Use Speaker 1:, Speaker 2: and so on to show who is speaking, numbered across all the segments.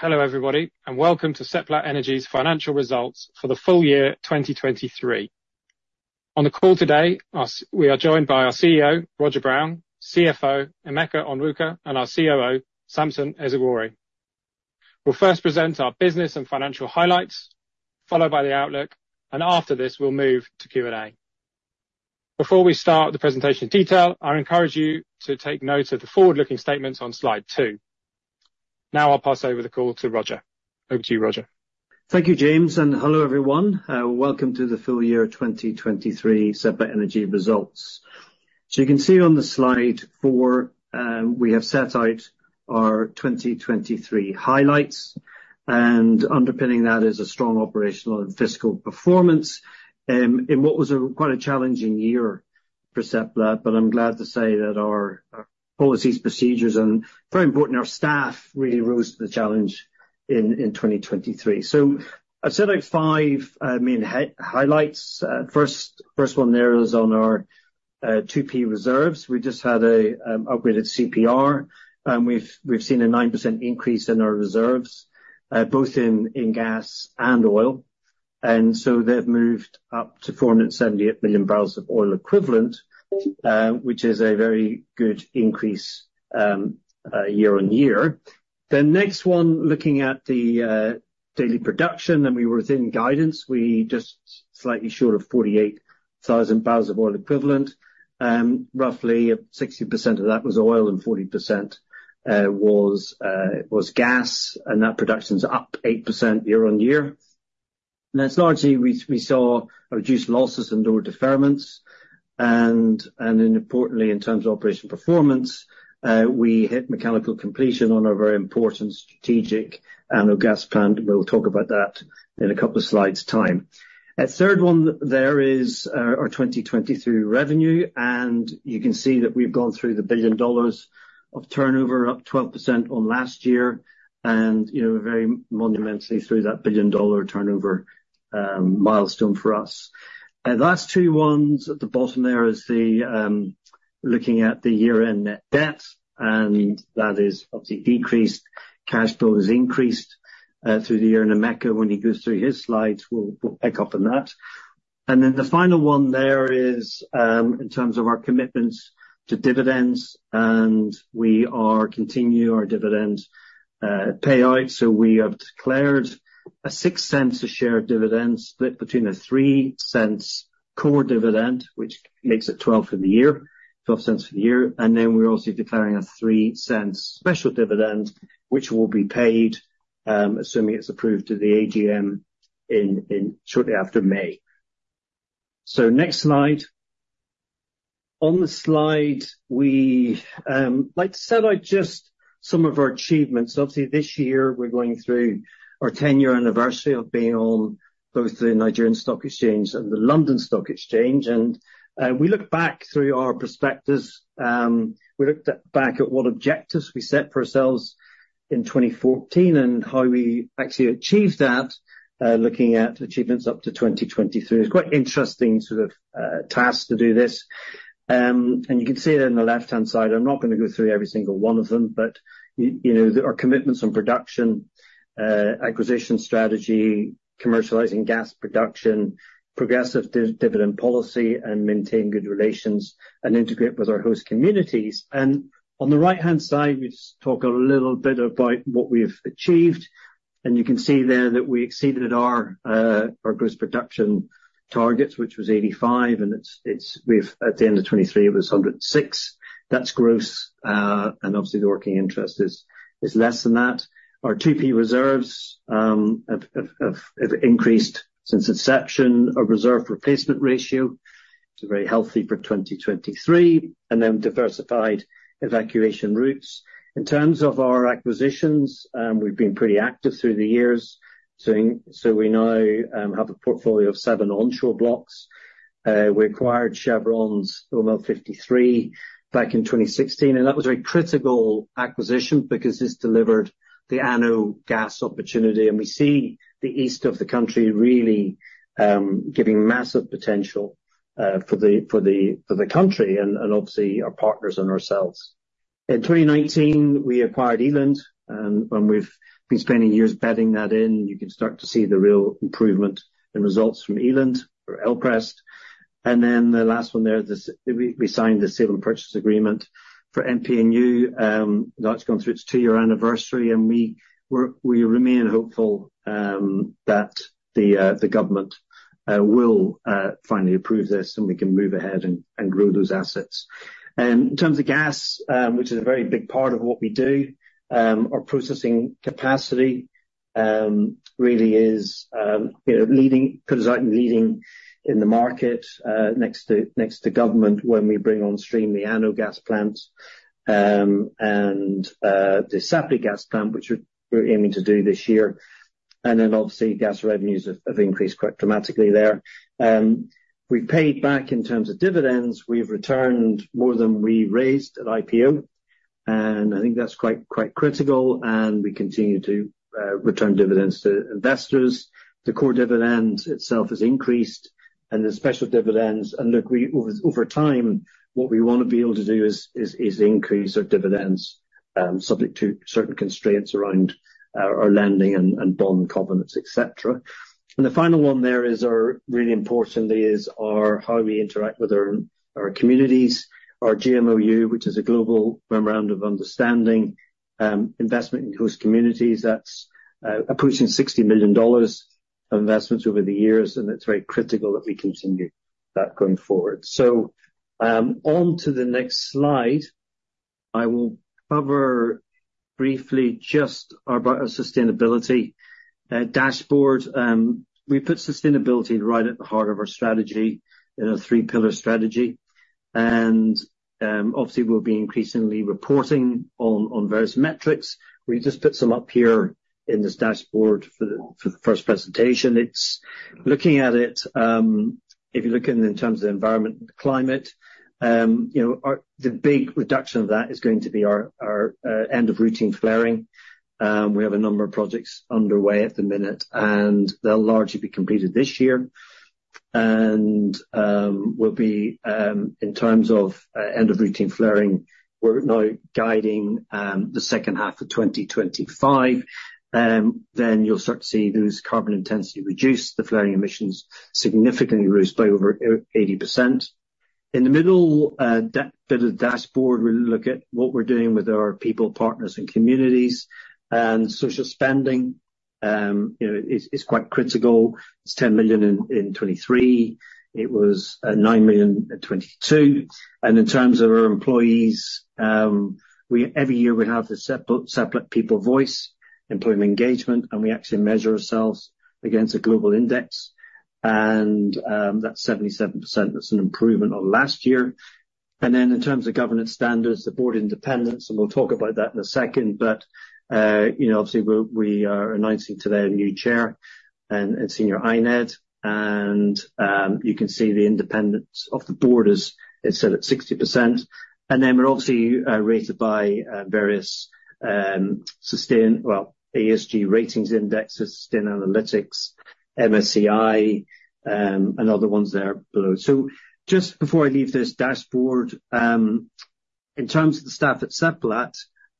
Speaker 1: Hello, everybody, and welcome to Seplat Energy's financial results for the full year 2023. On the call today, we are joined by our CEO, Roger Brown, CFO, Emeka Onwuka, and our COO, Samson Ezugworie. We'll first present our business and financial highlights, followed by the outlook, and after this, we'll move to Q&A. Before we start the presentation detail, I encourage you to take note of the forward-looking statements on slide two. Now I'll pass over the call to Roger. Over to you, Roger.
Speaker 2: Thank you, James, and hello, everyone. Welcome to the full year 2023 Seplat Energy results. So you can see on slide four, we have set out our 2023 highlights, and underpinning that is a strong operational and fiscal performance, in what was a quite a challenging year for Seplat. But I'm glad to say that our policies, procedures, and very important, our staff really rose to the challenge in 2023. So I set out five main highlights. First one there is on our 2P reserves. We just had an upgraded CPR, and we've seen a 9% increase in our reserves, both in gas and oil. And so they've moved up to 478 million bbl of oil equivalent, which is a very good increase, year-on-year. The next one, looking at the daily production, and we were within guidance. We were just slightly short of 48,000 bbl of oil equivalent. Roughly 60% of that was oil and 40% was gas, and that production's up 8% year-on-year. And that's largely we saw reduced losses and lower deferments, and then importantly, in terms of operational performance, we hit mechanical completion on a very important strategic ANOH Gas Plant. We'll talk about that in a couple of slides' time. A third one there is our 2023 revenue, and you can see that we've gone through the $1 billion of turnover, up 12% on last year, and, you know, very monumentally through that $1 billion turnover milestone for us. The last two ones at the bottom there is the looking at the year-end net debt, and that is obviously decreased. Cash flow has increased through the year, and Emeka, when he goes through his slides, we'll, we'll pick up on that. Then the final one there is in terms of our commitments to dividends, and we are continue our dividend payout. So we have declared a $0.06 per share dividend, split between a $0.03 core dividend, which makes it $0.12 for the year, $0.12 for the year, and then we're also declaring a $0.03 special dividend, which will be paid assuming it's approved to the AGM in shortly after May. So next slide. On the slide, we like to set out just some of our achievements. Obviously, this year, we're going through our 10-year anniversary of being on both the Nigerian Stock Exchange and the London Stock Exchange, and we looked back through our prospectus. We looked back at what objectives we set for ourselves in 2014 and how we actually achieved that, looking at achievements up to 2023. It's quite interesting sort of task to do this. And you can see it in the left-hand side. I'm not going to go through every single one of them, but you know, our commitments on production, acquisition strategy, commercializing gas production, progressive dividend policy, and maintain good relations and integrate with our host communities. On the right-hand side, we just talk a little bit about what we've achieved, and you can see there that we exceeded our gross production targets, which was 85, and it's, we've, at the end of 2023, it was 106. That's gross, and obviously, the working interest is less than that. Our 2P reserves have increased since inception. Our reserve replacement ratio is very healthy for 2023, and then diversified evacuation routes. In terms of our acquisitions, we've been pretty active through the years. So we now have a portfolio of seven onshore blocks. We acquired Chevron's OML 53 back in 2016, and that was a very critical acquisition because this delivered the ANOH gas opportunity, and we see the east of the country really giving massive potential for the country and obviously our partners and ourselves. In 2019, we acquired Eland, and we've been spending years bedding that in. You can start to see the real improvement in results from Eland or Elcrest. And then the last one there, we signed the sale and purchase agreement for MPNU, that's gone through its two-year anniversary, and we remain hopeful that the government will finally approve this, and we can move ahead and grow those assets. In terms of gas, which is a very big part of what we do, our processing capacity really is, you know, leading, puts us out in leading in the market, next to government when we bring on stream the ANOH Gas Plant, and the Sapele Gas Plant, which we're aiming to do this year. Then, obviously, gas revenues have increased quite dramatically there. We've paid back in terms of dividends. We've returned more than we raised at IPO, and I think that's quite critical, and we continue to return dividends to investors. The core dividend itself has increased, and the special dividends, and look, we, over time, what we want to be able to do is increase our dividends. Subject to certain constraints around our lending and bond covenants, etc. The final one there is, really importantly, how we interact with our communities. Our GMOU, which is a Global Memorandum of Understanding, investment in host communities, that's approaching $60 million of investments over the years, and it's very critical that we continue that going forward. So, on to the next slide. I will cover briefly just our sustainability dashboard. We put sustainability right at the heart of our strategy, in our three-pillar strategy, and obviously, we'll be increasingly reporting on various metrics. We just put some up here in this dashboard for the first presentation. It's looking at it, if you're looking in terms of the environment and climate, you know, the big reduction of that is going to be our end of routine flaring. We have a number of projects underway at the minute, and they'll largely be completed this year. And we'll be, in terms of end of routine flaring, we're now guiding the second half of 2025. Then you'll start to see those carbon intensity reduce, the flaring emissions significantly reduced by over 80%. In the middle, the dashboard, we look at what we're doing with our people, partners, and communities, and social spending, you know, is quite critical. It's $10 million in 2023. It was $9 million in 2022. In terms of our employees, every year, we have the Seplat People Voice, employment engagement, and we actually measure ourselves against a global index. And that's 77%. That's an improvement on last year. And then in terms of governance standards, the Board independence, and we'll talk about that in a second, but you know, obviously, we're, we are announcing today a new chair and senior INED, and you can see the independence of the Board is, it's still at 60%. And then we're obviously rated by various Sustainalytics, MSCI, and other ones there below. So just before I leave this dashboard, in terms of the staff at Seplat,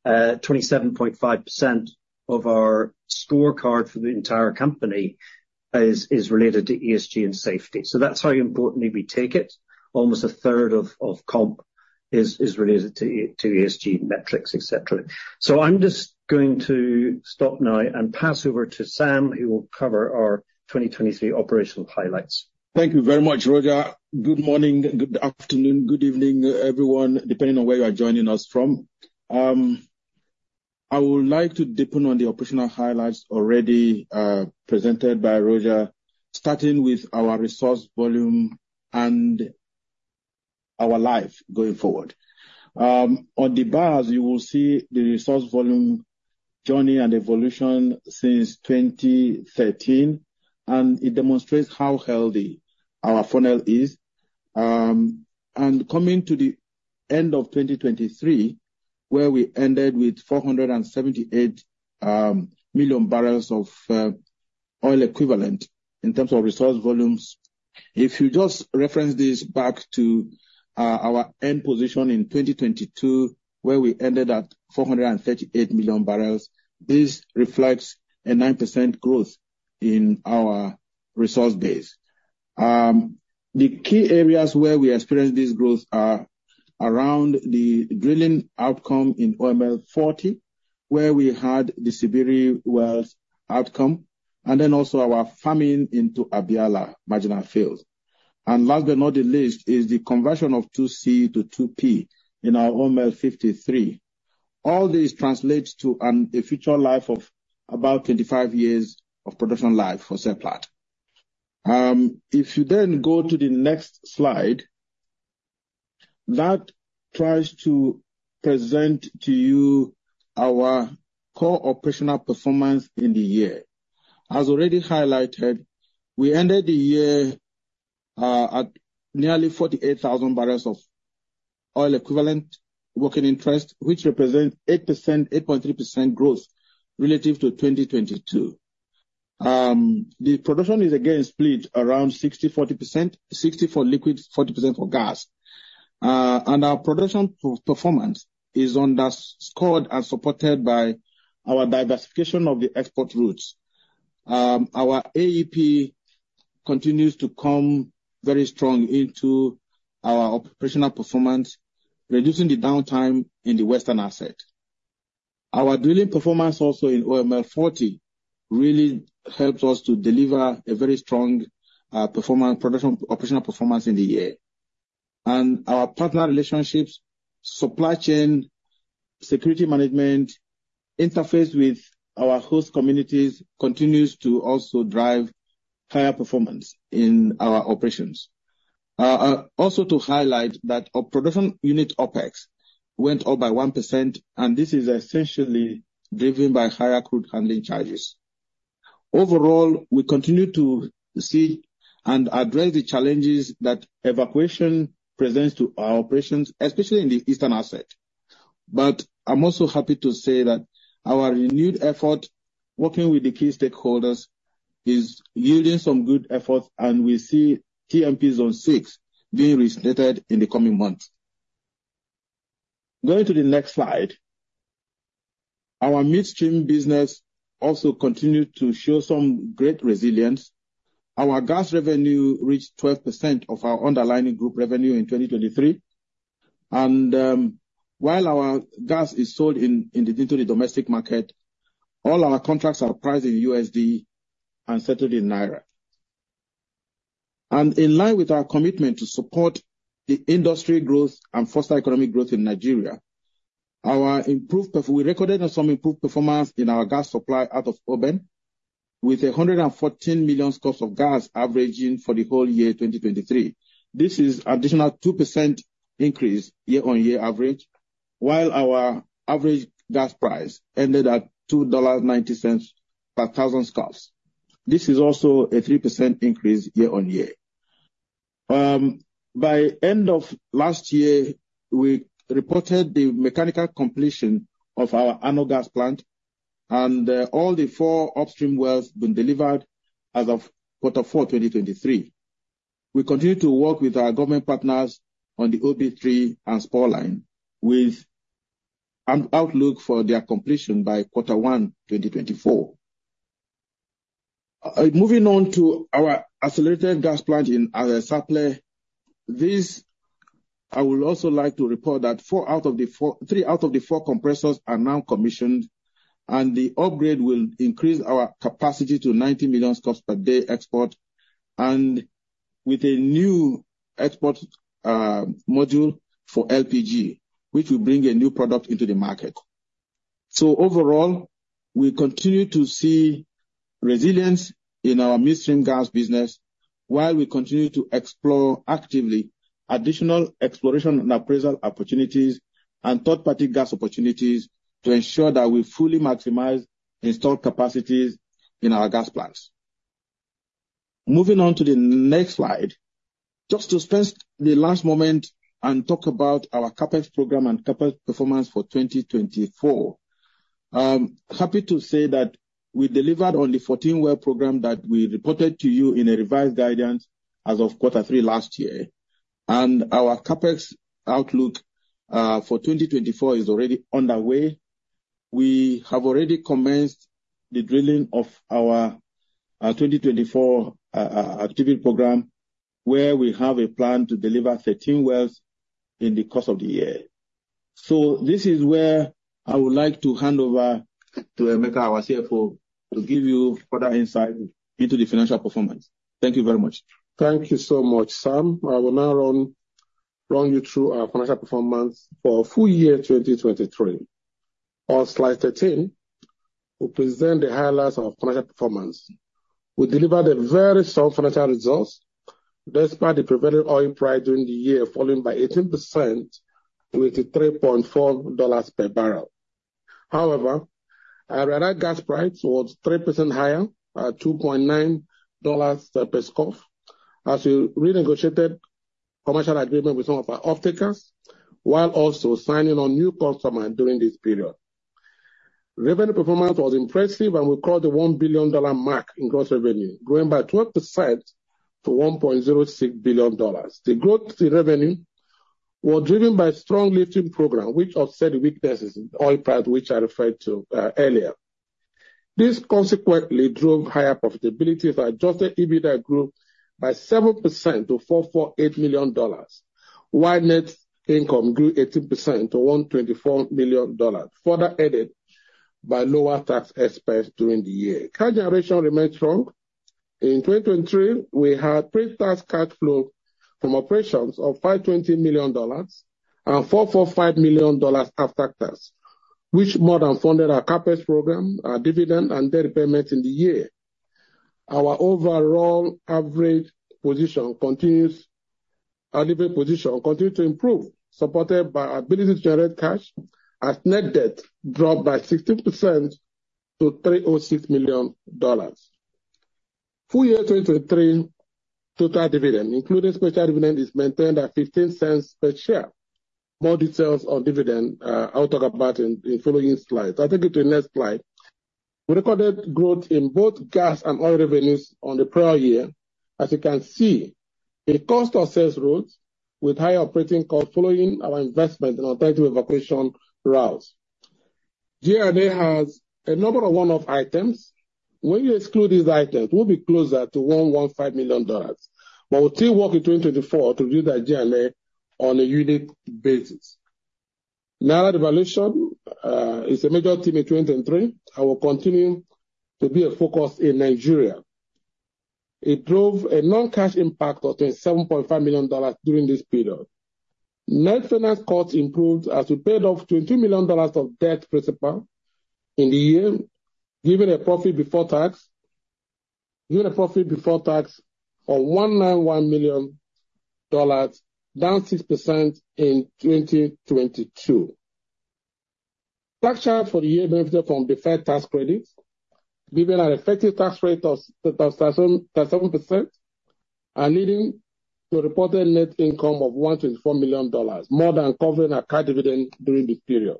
Speaker 2: 27.5% of our scorecard for the entire company is related to ESG and safety. That's how importantly we take it. Almost a third of comp is related to ESG metrics, etc. I'm just going to stop now and pass over to Sam, who will cover our 2023 operational highlights.
Speaker 3: Thank you very much, Roger. Good morning, good afternoon, good evening, everyone, depending on where you are joining us from. I would like to deepen on the operational highlights already presented by Roger, starting with our resource volume and our life going forward. On the bars, you will see the resource volume journey and evolution since 2013, and it demonstrates how healthy our funnel is. And coming to the end of 2023, where we ended with 478 million bbl of oil equivalent in terms of resource volumes. If you just reference this back to our end position in 2022, where we ended at 438 million bbl, this reflects a 9% growth in our resource base. The key areas where we experienced this growth are around the drilling outcome in OML 40, where we had the Sibiri wells outcome, and then also our farming into Abiala marginal fields. Last but not the least, is the conversion of 2C to 2P in our OML 53. All this translates to a future life of about 25 years of production life for Seplat. If you then go to the next slide, that tries to present to you our core operational performance in the year. As already highlighted, we ended the year at nearly 48,000 bbl of oil equivalent, working interest, which represent 8%, 8.3% growth relative to 2022. The production is again split around 60/40%, 60% for liquids, 40% for gas. And our production per-performance is underscored supported by our diversification of the export routes. Our AEP continues to come very strong into our operational performance, reducing the downtime in the western asset. Our drilling performance also in OML 40 really helps us to deliver a very strong, performance, production, operational performance in the year. And our partner relationships, supply chain, security management, interface with our host communities, continues to also drive higher performance in our operations. Also to highlight that our production unit OpEx went up by 1%, and this is essentially driven by higher crude handling charges. Overall, we continue to see and address the challenges that evacuation presents to our operations, especially in the eastern asset. But I'm also happy to say that our renewed effort, working with the key stakeholders is yielding some good efforts, and we see TNP Zone 6 being reinstated in the coming months. Going to the next slide. Our midstream business also continued to show some great resilience. Our gas revenue reached 12% of our underlying group revenue in 2023, and while our gas is sold into the domestic market, all our contracts are priced in USD and settled in naira. And in line with our commitment to support the industry growth and foster economic growth in Nigeria, we recorded some improved performance in our gas supply out of Oben, with 114 million scf of gas averaging for the whole year, 2023. This is an additional 2% increase year-on-year average, while our average gas price ended at $2.90 per thousand scf. This is also a 3% increase year-on-year. By end of last year, we reported the mechanical completion of our ANOH Gas Plant, and all the four upstream wells been delivered as of quarter four 2023. We continue to work with our government partners on the OB3 and Spur Line, with an outlook for their completion by Q1 2024. Moving on to our accelerated gas plant at Sapele. This, I would also like to report that three out of the four compressors are now commissioned, and the upgrade will increase our capacity to 90 million scf per day export, and with a new export module for LPG, which will bring a new product into the market. So overall, we continue to see resilience in our midstream gas business while we continue to explore actively additional exploration and appraisal opportunities and third-party gas opportunities to ensure that we fully maximize installed capacities in our gas plants. Moving on to the next slide. Just to spend the last moment and talk about our CapEx program and CapEx performance for 2024. Happy to say that we delivered on the 14-well program that we reported to you in a revised guidance as of quarter three last year, and our CapEx outlook for 2024 is already underway. We have already commenced the drilling of our 2024 activity program, where we have a plan to deliver 13 wells in the course of the year. This is where I would like to hand over to Emeka, our CFO, to give you further insight into the financial performance. Thank you very much.
Speaker 4: Thank you so much, Sam. I will now run you through our financial performance for full year 2023. On slide 13, we present the highlights of our financial performance. We delivered a very strong financial results, despite the prevailing oil price during the year, falling by 18% to $3.4 per barrel. However, our gas price was 3% higher, at $2.9 per scf, as we renegotiated commercial agreement with some of our offtakers, while also signing on new customer during this period. Revenue performance was impressive, and we crossed the $1 billion mark in gross revenue, growing by 12% to $1.06 billion. The growth in revenue was driven by strong lifting program, which offset the weaknesses in oil price, which I referred to earlier. This consequently drove higher profitability as adjusted EBITDA grew by 7% to $448 million, while net income grew 18% to $124 million, further aided by lower tax expense during the year. Cash generation remained strong. In 2023, we had pre-tax cash flow from operations of $520 million and $445 million after tax, which more than funded our CapEx program, our dividend, and debt payments in the year. Our overall average position continues, our delivery position continued to improve, supported by our ability to generate cash, as net debt dropped by 16% to $306 million. Full year 2023 total dividend, including special dividend, is maintained at $0.15 per share. More details on dividend, I will talk about in, in following slides. I'll take you to the next slide. We recorded growth in both gas and oil revenues on the prior year, as you can see, in cost of sales routes, with higher operating costs following our investment in our takeaway evacuation routes. G&A has a number of one-off items. When you exclude these items, we'll be closer to $115 million, but we'll still work in 2024 to do that G&A on a unique basis. Now, revaluation is a major theme in 2023, and will continue to be a focus in Nigeria. It drove a non-cash impact of $27.5 million during this period. Net finance costs improved as we paid off $22 million of debt principal in the year, giving a profit before tax, giving a profit before tax of $191 million, down 6% in 2022. Tax charge for the year benefited from deferred tax credits, giving an effective tax rate of 37%, and leading to a reported net income of $124 million, more than covering our current dividend during this period.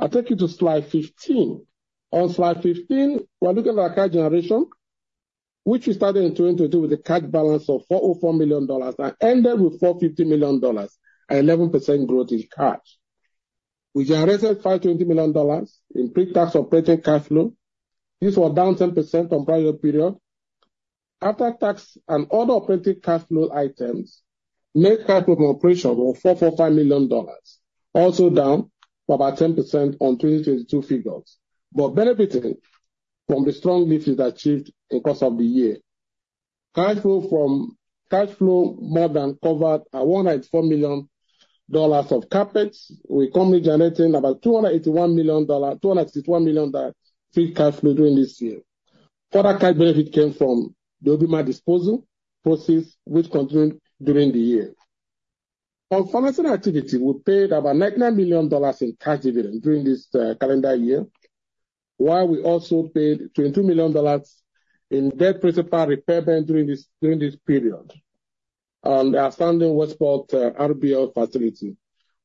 Speaker 4: I take you to slide 15. On slide 15, we are looking at our cash generation, which we started in 2022 with a cash balance of $404 million and ended with $450 million, an 11% growth in cash. We generated $520 million in pre-tax operating cash flow. This was down 10% on prior period. After tax and other operating cash flow items, net cash from operation was $445 million, also down by about 10% on 2022 figures, but benefiting from the strong leases achieved in course of the year. Cash flow more than covered our $1.4 million of CapEx. We only generating about $281 million, $261 million free cash flow during this year. Further cash benefit came from the Ubima disposal proceeds, which continued during the year. On financing activity, we paid about $9.9 million in cash dividend during this calendar year, while we also paid $22 million in debt principal repayment during this period on the outstanding Westport RBL facility.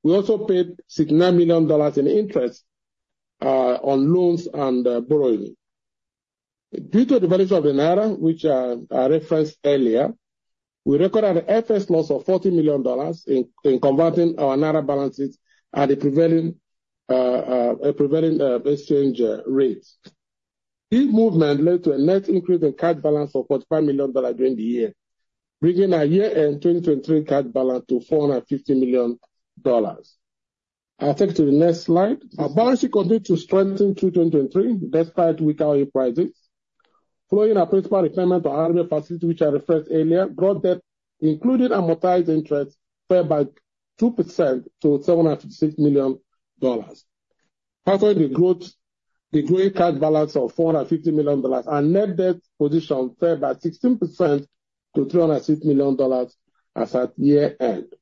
Speaker 4: We also paid $69 million in interest on loans and borrowing. Due to the value of the naira, which I referenced earlier, we recorded an FX loss of $40 million in converting our naira balances at a prevailing exchange rates. This movement led to a net increase in cash balance of $45 million during the year, bringing our year-end 2023 cash balance to $450 million. I take you to the next slide. Our balance sheet continued to strengthen through 2023, despite weaker oil prices. Following our principal repayment to RBL facility, which I referenced earlier, brought debt, including amortized interest, fell by 2% to $756 million. Following the growth, the growing cash balance of $450 million and net debt position fell by 16% to $306 million as at year-end.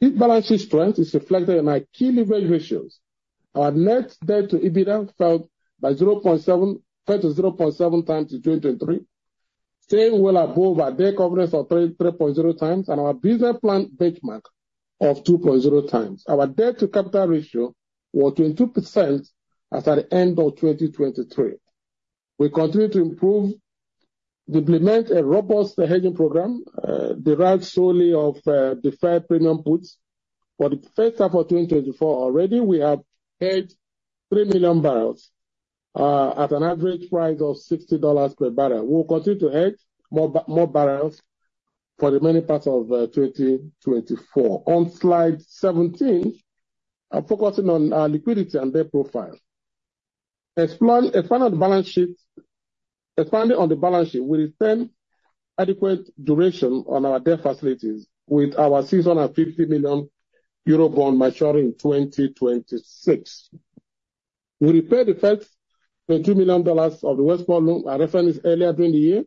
Speaker 4: This balance sheet strength is reflected in our key leverage ratios. Our net debt to EBITDA fell to 0.7x in 2023, staying well above our debt coverage of 3, 3.0x and our business plan benchmark of 2.0x. Our debt to capital ratio was 22% as at the end of 2023. We continue to improve, implement a robust hedging program, derived solely of, deferred premium puts. For the first half of 2024, already we have hedged 3 million bbl, at an average price of $60 per barrel. We'll continue to hedge more more barrels for the many parts of 2024. On slide 17, I'm focusing on our liquidity and debt profile. Expanding on the balance sheet, we retain adequate duration on our debt facilities with our 650 million eurobond maturing in 2026. We repaid the first $22 million of the Westport loan, I referenced this earlier during the year,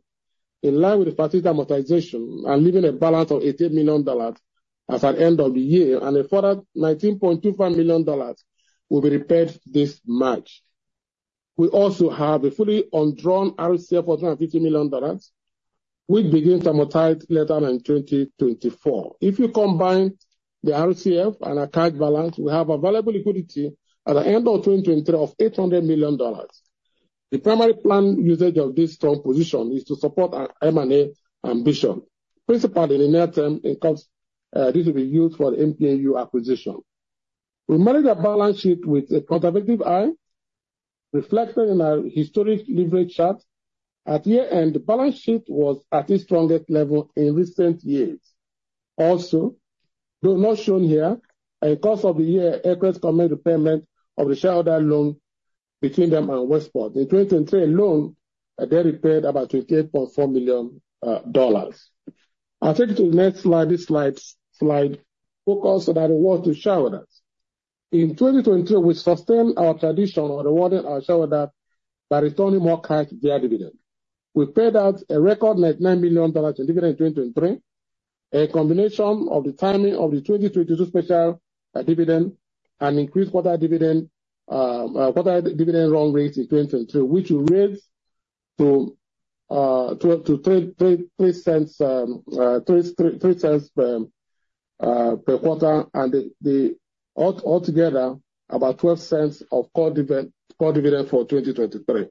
Speaker 4: in line with the parties' amortization and leaving a balance of $18 million as at end of the year, and a further $19.25 million will be repaid this March. We also have a fully undrawn RCF of $450 million, which begins amortization later in 2024. If you combine the RCF and our cash balance, we have available liquidity at the end of 2023 of $800 million. The primary planned usage of this strong position is to support our M&A ambition, principally in the near term, of course, this will be used for the MPNU acquisition. We manage our balance sheet with a conservative eye, reflected in our historic leverage chart. At year-end, the balance sheet was at its strongest level in recent years. Also, though not shown here, in the course of the year, Elcrest came in to payment of the shareholder loan between them and Westport. In 2023 alone, they repaid about $28.4 million. I'll take you to the next slide. This slide focuses on our reward to shareholders. In 2023, we sustained our tradition of rewarding our shareholder by returning more cash via dividend. We paid out a record $9.9 million in dividend in 2023, a combination of the timing of the 2022 special dividend and increased quarter dividend run rate in 2023, which we raised to $0.00333 per quarter, and all together, about $0.12 of core dividend for 2023.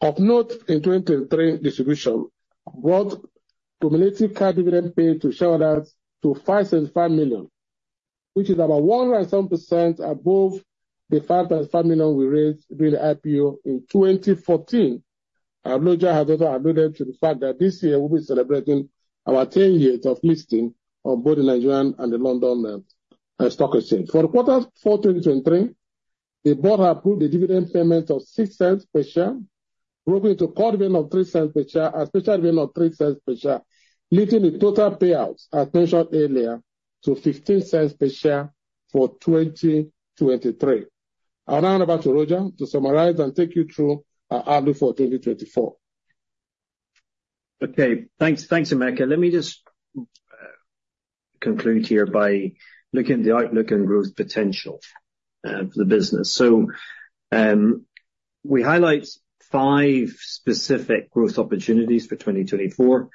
Speaker 4: Of note, in 2023 distribution, brought cumulative cash dividend paid to shareholders to $565 million, which is about 107% above the $5.5 million we raised during the IPO in 2014. Roger has also alluded to the fact that this year, we'll be celebrating our 10 years of listing on both the Nigerian and the London Stock Exchange. For quarter four 2023, the Board approved the dividend payment of $0.06 per share, broken into core dividend of $0.03 per share, and special dividend of $0.03 per share, leaving the total payouts, as mentioned earlier, to $0.15 per share for 2023. I'll now hand back to Roger to summarize and take you through our outlook for 2024.
Speaker 2: Okay. Thanks, thanks, Emeka. Let me just conclude here by looking at the outlook and growth potential for the business. So, we highlight five specific growth opportunities for 2024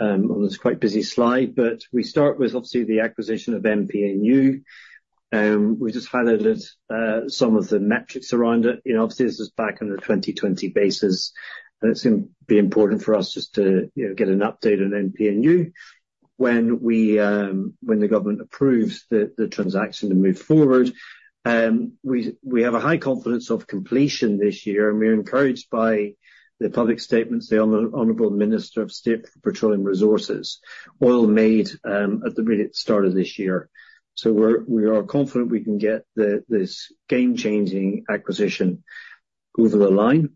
Speaker 2: on this quite busy slide. But we start with obviously the acquisition of MPNU. We just highlighted some of the metrics around it. You know, obviously, this is back on the 2020 basis, and it's going to be important for us just to, you know, get an update on MPNU when we when the government approves the transaction to move forward. We have a high confidence of completion this year, and we're encouraged by the public statements the Honorable Minister of State for Petroleum Resources. He made at the very start of this year. So we are confident we can get this game-changing acquisition over the line.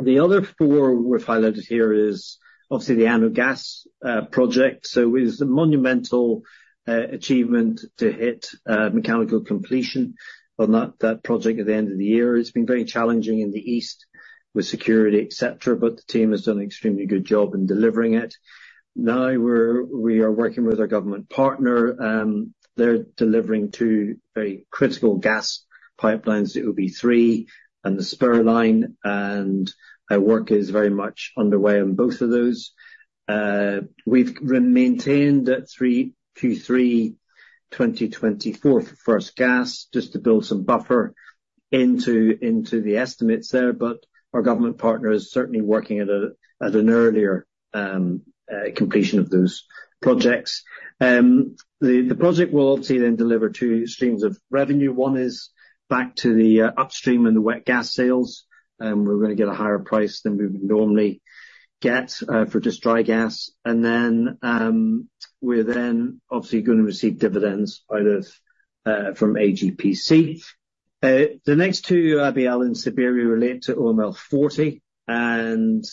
Speaker 2: The other four we've highlighted here is obviously the ANOH gas project. So it's a monumental achievement to hit mechanical completion on that project at the end of the year. It's been very challenging in the east with security, etc., but the team has done an extremely good job in delivering it. Now, we are working with our government partner, they're delivering two very critical gas pipelines, the OB3 and the Spur Line, and work is very much underway on both of those. We've maintained at Q3 2024 for first gas, just to build some buffer into the estimates there, but our government partner is certainly working at an earlier completion of those projects. The project will obviously then deliver two streams of revenue. One is back to the upstream and the wet gas sales, and we're gonna get a higher price than we would normally get for just dry gas. And then, we're then obviously going to receive dividends out of from AGPC. The next two, Abiala and Sibiri, relate to OML 40, and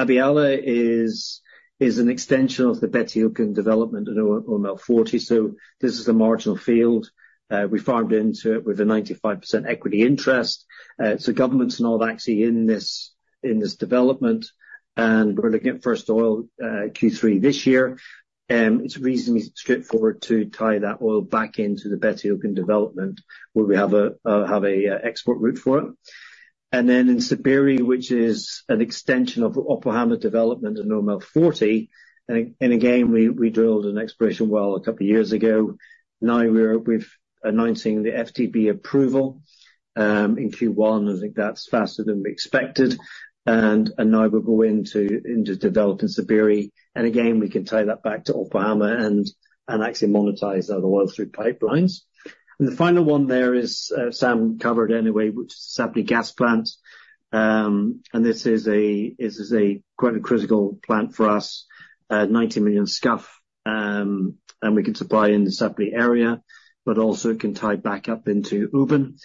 Speaker 2: Abiala is an extension of the Gbetiokun development at OML 40. So this is a marginal field. We farmed into it with a 95% equity interest. So government's not actually in this development, and we're looking at first oil Q3 this year. It's reasonably straightforward to tie that oil back into the Gbetiokun development, where we have an export route for it. Then in Sibiri, which is an extension of Opuama development in OML 40, and again, we drilled an exploration well a couple of years ago. Now we've announcing the FID approval in Q1. I think that's faster than we expected. And now we'll go into developing Sibiri, and again, we can tie that back to Opuama and actually monetize that oil through pipelines. And the final one there is, Sam covered anyway, which is Sapele Gas Plant. And this is quite a critical plant for us, 90 million scf, and we can supply in the Sapele area, but also it can tie back up into Oben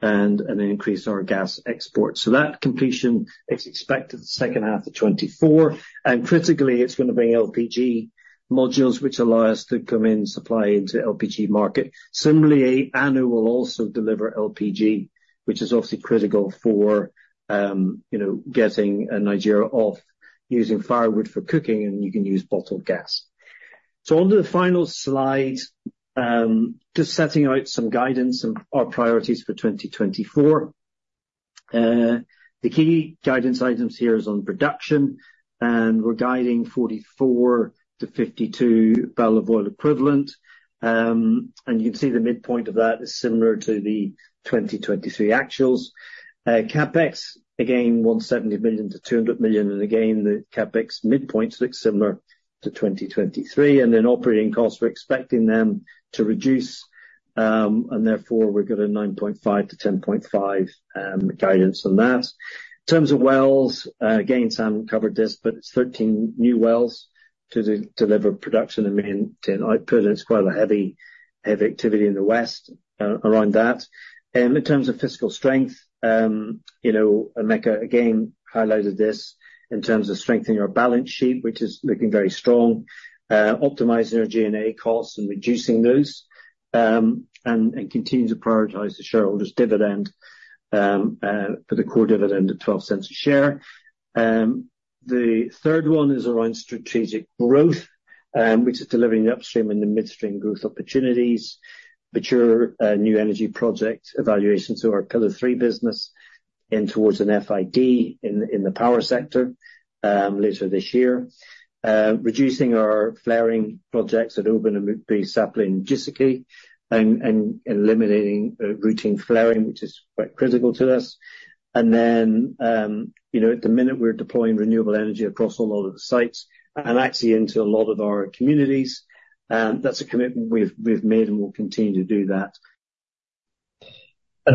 Speaker 2: and increase our gas exports. So that completion is expected the second half of 2024, and critically, it's gonna bring LPG modules, which allow us to come in, supply into LPG market. Similarly, ANOH will also deliver LPG, which is obviously critical for, you know, getting Nigeria off using firewood for cooking, and you can use bottled gas. So onto the final slide, just setting out some guidance on our priorities for 2024. The key guidance items here is on production, and we're guiding 44 bbl-52 bbl of oil equivalent. And you can see the midpoint of that is similar to the 2023 actuals. CapEx, again, $170 million-$200 million, and again, the CapEx midpoint looks similar to 2023. Operating costs, we're expecting them to reduce, and therefore we've got a $9.5-$10.5 guidance on that. In terms of wells, again, Sam covered this, but it's 13 new wells to deliver production and maintain output, and it's quite a heavy, heavy activity in the west, around that. In terms of fiscal strength, you know, Emeka again highlighted this in terms of strengthening our balance sheet, which is looking very strong, optimizing our G&A costs and reducing those, and, and continuing to prioritize the shareholders' dividend, for the core dividend of $0.12 a share. The third one is around strategic growth, which is delivering the upstream and the midstream growth opportunities, mature new energy project evaluations to our pillar three business and towards an FID in the power sector, later this year. Reducing our flaring projects at Oben and Sapele in these key and eliminating routine flaring, which is quite critical to us. And then, you know, at the minute, we're deploying renewable energy across a lot of the sites and actually into a lot of our communities, and that's a commitment we've made, and we'll continue to do that.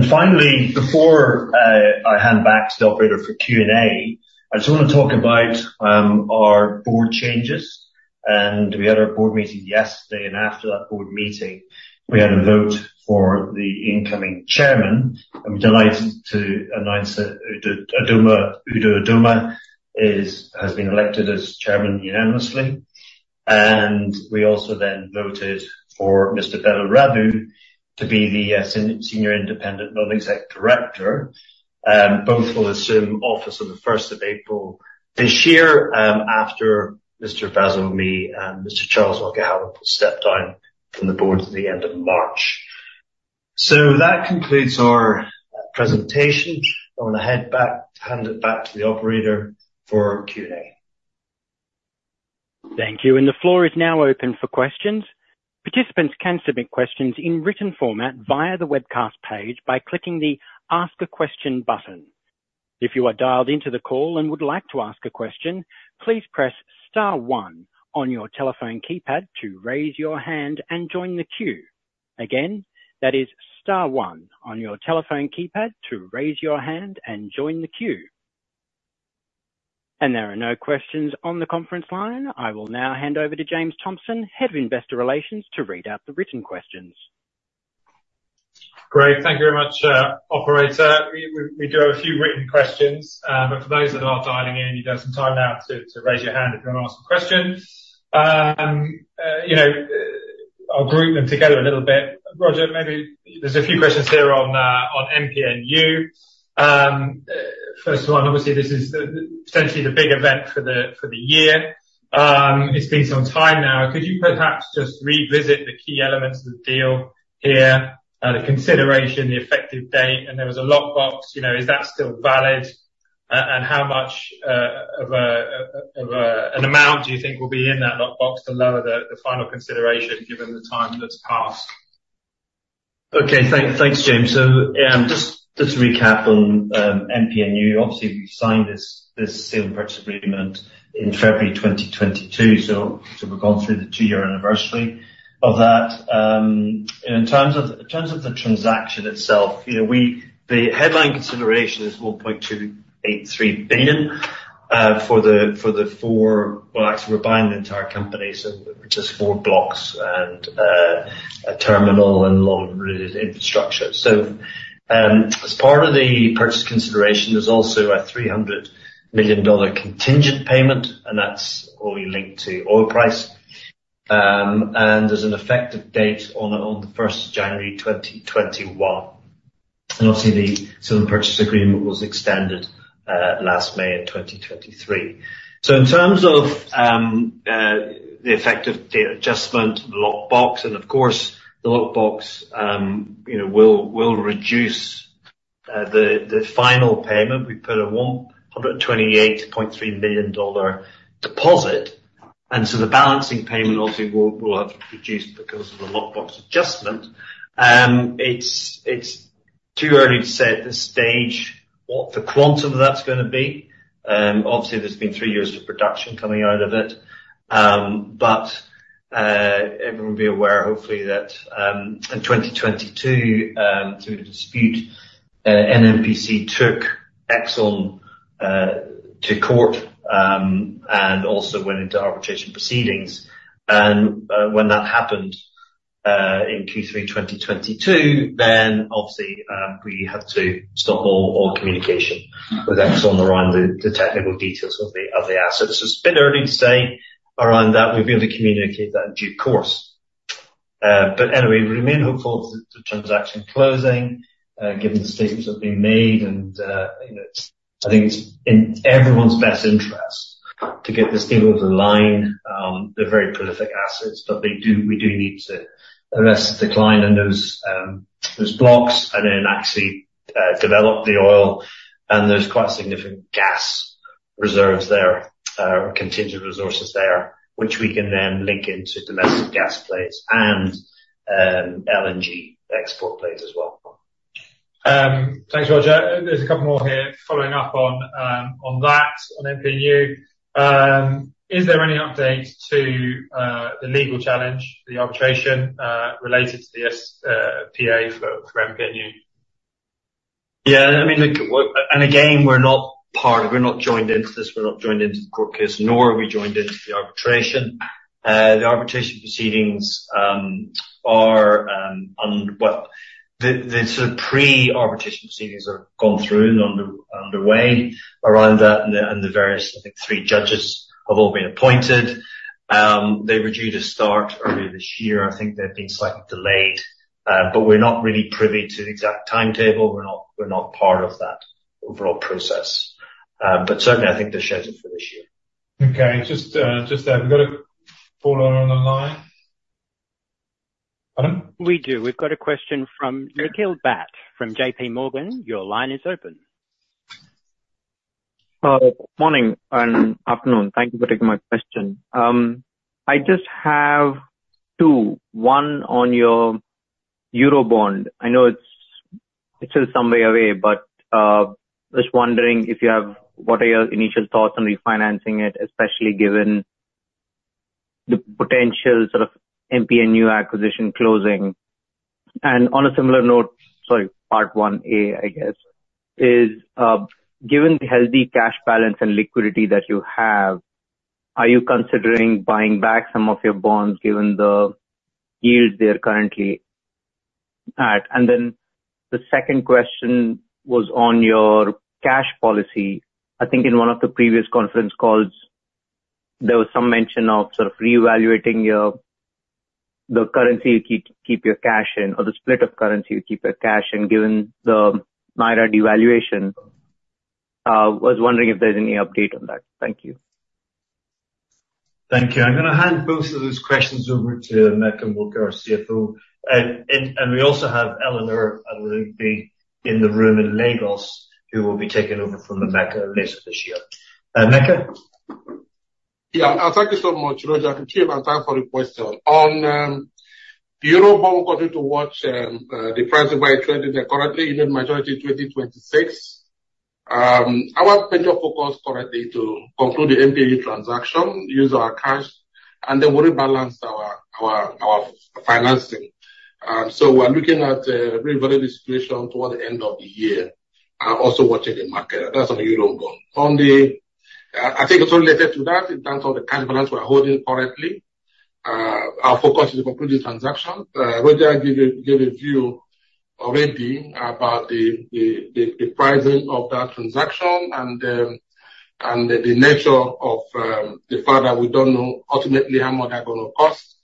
Speaker 2: Finally, before I hand back to the operator for Q&A, I just want to talk about our Board changes. We had our Board meeting yesterday, and after that Board meeting, we had a vote for the incoming chairman. I'm delighted to announce that Udoma Udo Udoma has been elected as Chairman unanimously, and we also then voted for Mr. Bello Rabiu to be the Senior Independent Non-Exec Director. Both will assume office on the first of April this year, after Mr. Basil Omiyi and Mr. Charles Okeahalam step down from the Board at the end of March. So that concludes our presentation. I'm going to hand it back to the operator for Q&A.
Speaker 5: Thank you, and the floor is now open for questions. Participants can submit questions in written format via the webcast page by clicking the Ask a Question button. If you are dialed into the call and would like to ask a question, please press star one on your telephone keypad to raise your hand and join the queue. Again, that is star one on your telephone keypad to raise your hand and join the queue. And there are no questions on the conference line. I will now hand over to James Thompson, Head of Investor Relations, to read out the written questions.
Speaker 1: Great. Thank you very much, operator. We do have a few written questions, but for those that are dialing in, you've got some time now to raise your hand if you want to ask a question. You know, I'll group them together a little bit. Roger, maybe there's a few questions here on MPNU. First one, obviously, this is essentially the big event for the year. It's been some time now. Could you perhaps just revisit the key elements of the deal here, the consideration, the effective date, and there was a lockbox. You know, is that still valid? And how much of an amount do you think will be in that lockbox to lower the final consideration, given the time that's passed?
Speaker 2: Okay. Thanks, James. So, just to recap on MPNU, obviously, we signed this sale and purchase agreement in February 2022, so we've gone through the two-year anniversary of that. In terms of the transaction itself, you know, we, the headline consideration is $1.283 billion for the four, well, actually, we're buying the entire company, so just four blocks and a terminal and a lot of related infrastructure. So, as part of the purchase consideration, there's also a $300 million contingent payment, and that's only linked to oil price. And there's an effective date on the 1st January, 2021. And obviously, the sale and purchase agreement was extended last May in 2023. So in terms of the effective date adjustment, the lockbox, and of course, the lockbox, you know, will reduce the final payment. We put a $128.3 million deposit, and so the balancing payment obviously will have to be reduced because of the lockbox adjustment. It's too early to say at this stage what the quantum of that's gonna be. Obviously, there's been three years of production coming out of it. But everyone will be aware, hopefully, that in 2022, through the dispute, NNPC took Exxon to court and also went into arbitration proceedings. And when that happened in Q3 2022, then obviously we had to stop all communication with Exxon around the technical details of the assets. So it's a bit early to say around that. We'll be able to communicate that in due course. But anyway, we remain hopeful of the transaction closing, given the statements that have been made, and, you know, it's, I think it's in everyone's best interest to get this deal over the line. They're very prolific assets, but we do need to arrest the decline in those blocks and then actually develop the oil. And there's quite significant gas reserves there, contingent resources there, which we can then link into domestic gas plants and, LNG export plants as well.
Speaker 1: Thanks, Roger. There's a couple more here following up on that, on MPNU. Is there any update to the legal challenge, the arbitration, related to the SPA for MPNU?
Speaker 2: Yeah, I mean, look, and again, we're not part of it. We're not joined into this. We're not joined into the court case, nor are we joined into the arbitration. The arbitration proceedings are well, the sort of pre-arbitration proceedings have gone through and are underway around that, and the various, I think three judges have all been appointed. They were due to start earlier this year. I think they've been slightly delayed, but we're not really privy to the exact timetable. We're not, we're not part of that overall process. But certainly, I think they're scheduled for this year.
Speaker 1: Okay. Just, we've got a follower on the line. Pardon?
Speaker 5: We do. We've got a question from Nikhil Bhat from JPMorgan. Your line is open.
Speaker 6: Morning and afternoon. Thank you for taking my question. I just have two, one on your eurobond. I know it's still some way away, but just wondering if you have what are your initial thoughts on refinancing it, especially given the potential sort of MPNU acquisition closing? And on a similar note, sorry, part 1A, I guess, is given the healthy cash balance and liquidity that you have, are you considering buying back some of your bonds, given the yield they are currently at? And then the second question was on your cash policy. I think in one of the previous conference calls, there was some mention of sort of reevaluating your the currency you keep your cash in or the split of currency you keep your cash in, given the naira devaluation. Was wondering if there's any update on that? Thank you.
Speaker 2: Thank you. I'm gonna hand both of those questions over to Emeka Onwuka, our CFO. And we also have Eleanor Adaralegbe, who will be in the room in Lagos, who will be taking over from Emeka later this year. Emeka?
Speaker 4: Yeah, and thank you so much, Roger. Thank you for your time, for the question. On the eurobond, continue to watch the price of my trade there currently, even majority 2026. Our major focus currently to conclude the MPNU transaction, use our cash, and then rebalance our, our, our financing. So we're looking at reevaluating the situation toward the end of the year and also watching the market. That's on the eurobond. On, I think it's related to that in terms of the cash balance we're holding currently. Our focus is to conclude the transaction. Roger gave a view already about the pricing of that transaction and the nature of the fact that we don't know ultimately how much they're gonna cost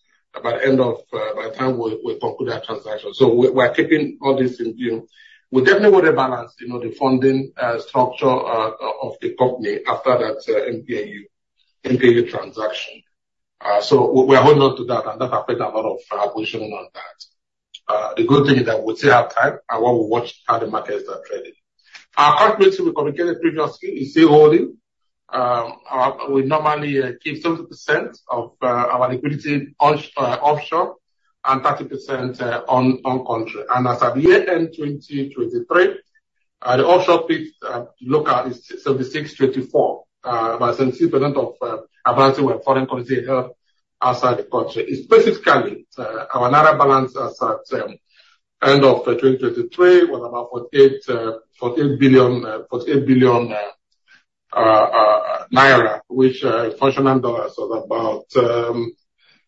Speaker 4: by the end of, by the time we conclude that transaction. So we're keeping all this in view. We definitely wanna balance, you know, the funding structure of the company after that MPNU transaction. So we are holding on to that, and that affects a lot of positioning on that. The good thing is that we still have time, and while we watch how the markets are trading. Our accuracy, we communicated previously, is still holding. We normally keep 70% of our liquidity offshore and 30% in country. As at the year end, 2023, the offshore peak look at is 76/24. About 70% of our balance sheet foreign currency held outside the country. It's specifically our narrow balance as at end of 2023 was about NGN 48 billion, which function in dollars of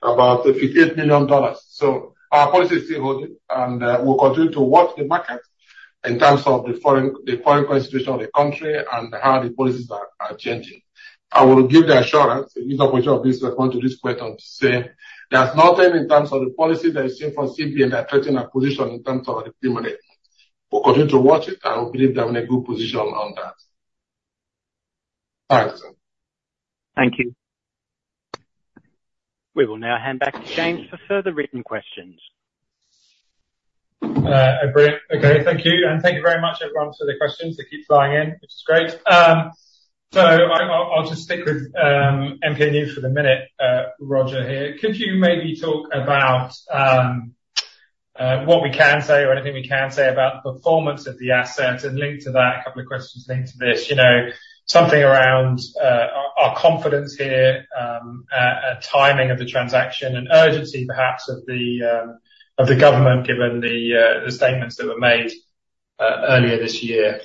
Speaker 4: about $58 million. So our policy is still holding, and we'll continue to watch the market in terms of the foreign currency situation of the country and how the policies are changing. I will give the assurance, use opportunity to respond to this question to say there's nothing in terms of the policy that is same from CBN that threaten our position in terms of the money. We'll continue to watch it, I believe that we're in a good position on that. Thanks.
Speaker 6: Thank you.
Speaker 5: We will now hand back to James for further written questions.
Speaker 1: Brilliant. Okay, thank you, and thank you very much, everyone, for the questions. They keep flying in, which is great. So I'll just stick with MPNU for the minute, Roger, here. Could you maybe talk about what we can say or anything we can say about the performance of the asset? And linked to that, a couple of questions linked to this, you know, something around our confidence here, timing of the transaction, and urgency, perhaps of the government, given the statements that were made earlier this year.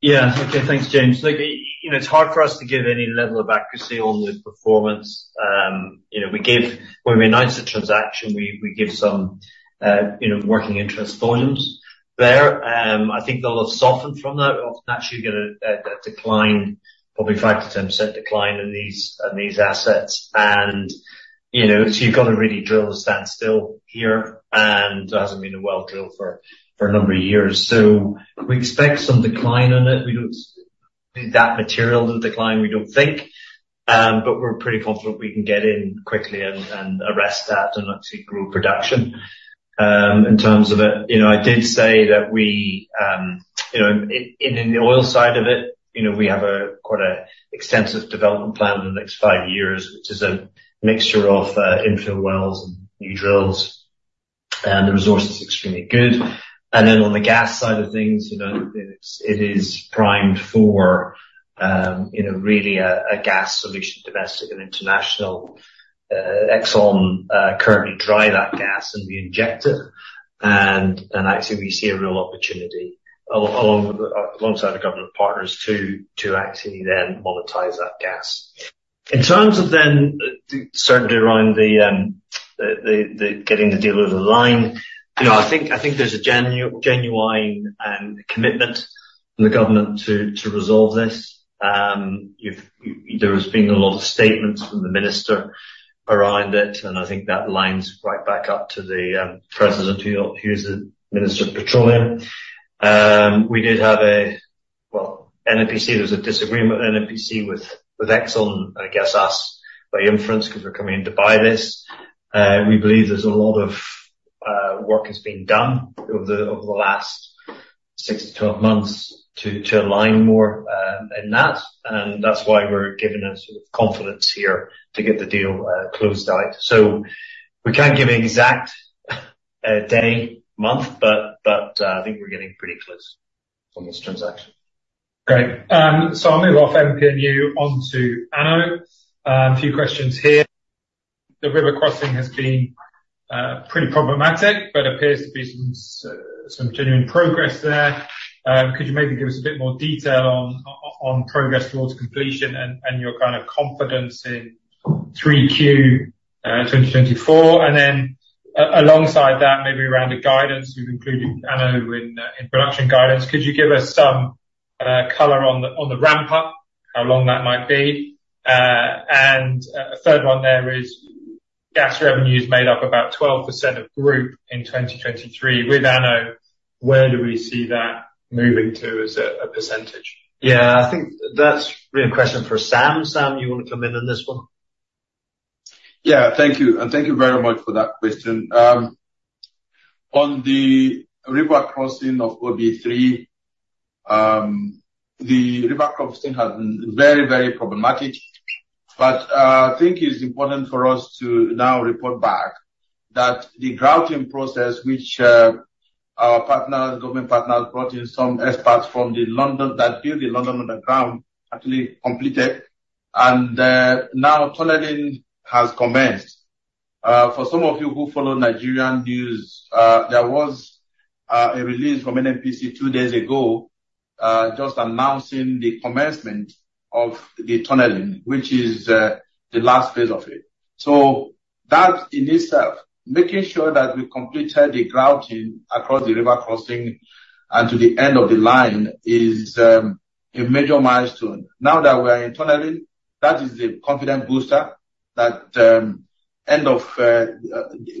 Speaker 2: Yeah. Okay. Thanks, James. Look, you know, it's hard for us to give any level of accuracy on the performance. You know, we give, when we announce the transaction, we give some, you know, working interest volumes there. I think they'll have softened from that. We'll naturally get a decline, probably 5%-10% decline in these, on these assets. And, you know, so you've got to really drill the standstill here, and it hasn't been a well drill for a number of years. So we expect some decline on it. We don't think that material of a decline, we don't think, but we're pretty confident we can get in quickly and arrest that and actually grow production. In terms of it, you know, I did say that we, you know, in the oil side of it, you know, we have quite an extensive development plan in the next five years, which is a mixture of infill wells and new drills, and the resource is extremely good. And then on the gas side of things, you know, it is primed for, you know, really a gas solution, domestic and international. Exxon currently dries that gas and reinjects it. And actually, we see a real opportunity alongside the government partners to actually then monetize that gas. In terms of then, certainly around the getting the deal over the line, you know, I think there's a genuine commitment from the government to resolve this. There has been a lot of statements from the minister around it, and I think that lines right back up to the president, who's the Minister of Petroleum. We did have a, well, NNPC, there was a disagreement with NNPC, with Exxon, and I guess us, by inference, because we're coming in to buy this. We believe there's a lot of work that's been done over the last 6-12 months to align more in that, and that's why we're giving a sort of confidence here to get the deal closed out. So we can't give an exact day, month, but I think we're getting pretty close on this transaction.
Speaker 1: Great. So I'll move off MPNU onto ANOH. A few questions here. The river crossing has been pretty problematic, but appears to be some genuine progress there. Could you maybe give us a bit more detail on progress towards completion and your kind of confidence in 3Q 2024? And then alongside that, maybe around the guidance, we've included ANOH in production guidance. Could you give us some color on the ramp up, how long that might be. A third one there is, gas revenues made up about 12% of group in 2023. With ANOH, where do we see that moving to as a percentage?
Speaker 2: Yeah, I think that's really a question for Sam. Sam, you want to come in on this one?
Speaker 3: Yeah, thank you, and thank you very much for that question. On the river crossing of OB3, the river crossing has been very, very problematic, but, I think it's important for us to now report back that the grouting process, which, our partners, government partners, brought in some experts from London that built the London Underground, actually completed, and, now tunneling has commenced. For some of you who follow Nigerian news, there was, a release from NNPC two days ago, just announcing the commencement of the tunneling, which is, the last phase of it. So that in itself, making sure that we completed the grouting across the river crossing and to the end of the line, is, a major milestone. Now that we are in tunneling, that is a confidence booster that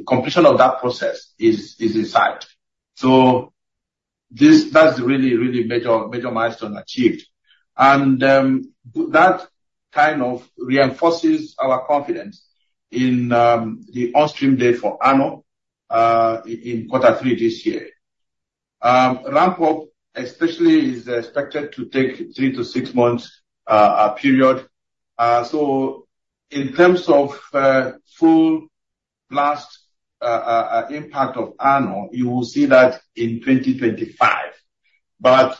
Speaker 3: completion of that process is in sight. So that's a really, really major, major milestone achieved. And that kind of reinforces our confidence in the onstream date for ANOH in quarter three this year. Ramp up especially is expected to take 3-6 months period. So in terms of full blast impact of ANOH, you will see that in 2025. But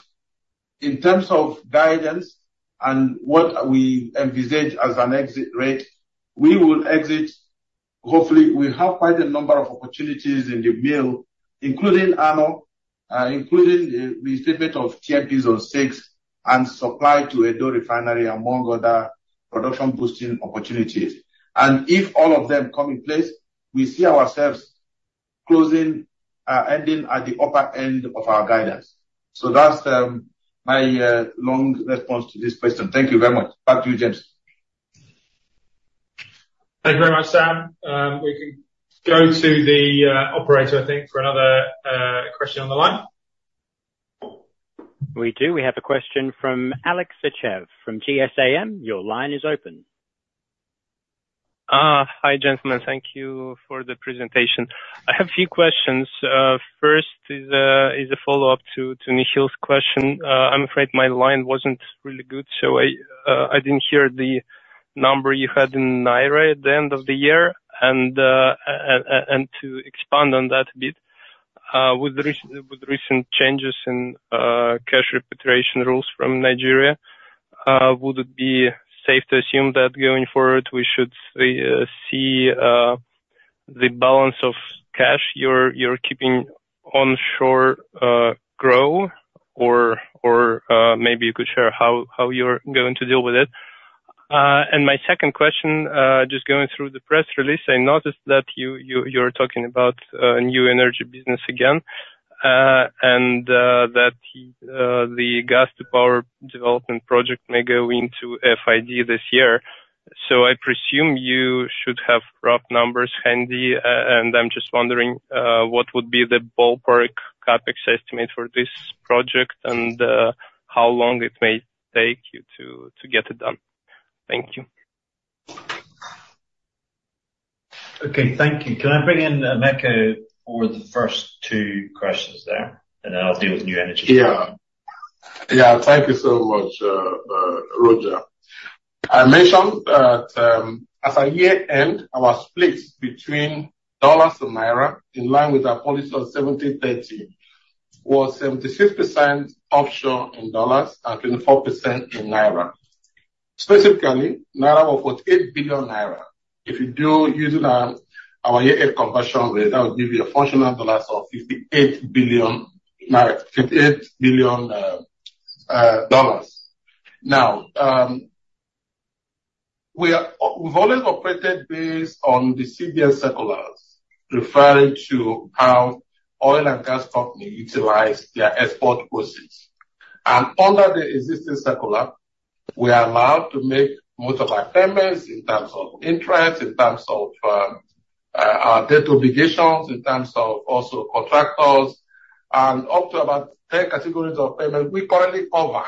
Speaker 3: in terms of guidance and what we envisage as an exit rate, we will exit, hopefully, we have quite a number of opportunities in the pipeline, including ANOH, including the receipt of TNP Zone 6, and supply to Edo Refinery, among other production boosting opportunities. If all of them come in place, we see ourselves closing, ending at the upper end of our guidance. That's my long response to this question. Thank you very much. Back to you, James.
Speaker 1: Thank you very much, Sam. We can go to the operator, I think, for another question on the line.
Speaker 5: We do. We have a question from Alex Acheiv from GSAM. Your line is open.
Speaker 7: Hi, gentlemen. Thank you for the presentation. I have a few questions. First is a follow-up to Nikhil's question. I'm afraid my line wasn't really good, so I didn't hear the number you had in naira at the end of the year. And to expand on that a bit, with the recent changes in cash repatriation rules from Nigeria, would it be safe to assume that going forward, we should see the balance of cash you're keeping onshore grow? Or maybe you could share how you're going to deal with it. And my second question, just going through the press release, I noticed that you’re talking about new energy business again, and that the gas to power development project may go into FID this year. So I presume you should have rough numbers handy, and I'm just wondering what would be the ballpark CapEx estimate for this project, and how long it may take you to get it done? Thank you.
Speaker 2: Okay, thank you. Can I bring in Emeka for the first two questions there, and then I'll deal with new energy?
Speaker 4: Yeah. Yeah, thank you so much, Roger. I mentioned that, at our year-end, our split between dollars and naira, in line with our policy of 70/30, was 76% offshore in dollars and 24% in naira. Specifically, naira was what, 8 billion naira. If you do using, our year-end conversion rate, that would give you a functional dollars of NGN 58 million, $58 million. Now, we are, we've always operated based on the CBN circulars, referring to how oil and gas companies utilize their export proceeds. And under the existing circular, we are allowed to make most of our payments in terms of interest, in terms of, our debt obligations, in terms of also contractors, and up to about ten categories of payment. We currently cover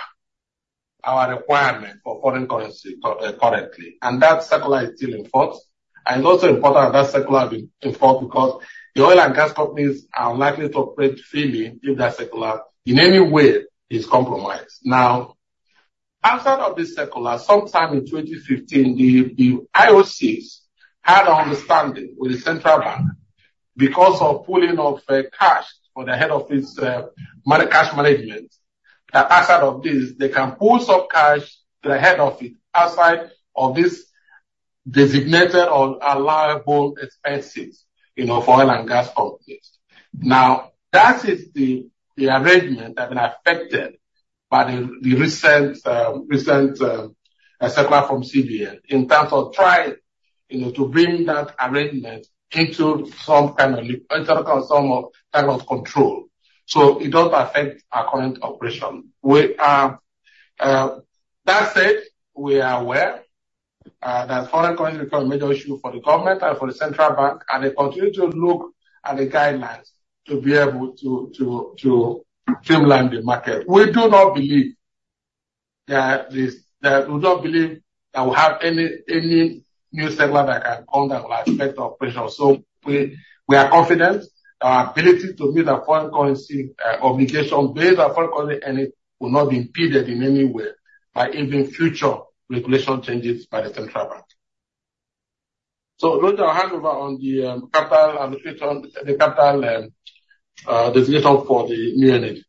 Speaker 4: our requirement for foreign currency currently, and that circular is still in force, and it's also important that circular is in force because the oil and gas companies are likely to operate freely if that circular, in any way, is compromised. Now, outside of this circular, sometime in 2015, the IOCs had an understanding with the central bank because of pulling of cash for the head of this cash management, that outside of this, they can pull some cash to the head of it, outside of this designated or allowable expenses, you know, for oil and gas companies. Now, that is the arrangement that been affected by the recent circular from CBN in terms of trying. You know, to bring that arrangement into some kind of into some of, kind of, control, so it don't affect our current operation. We are. That said, we are aware that foreign currency become a major issue for the government and for the central bank, and they continue to look at the guidelines to be able to streamline the market. We do not believe that we have any new segment that can come that will affect our operations. So we are confident our ability to meet our foreign currency obligation, based on foreign currency, and it will not be impeded in any way by even future regulation changes by the central bank. So Roger, hand over on the capital and return on the capital designation for the new energy.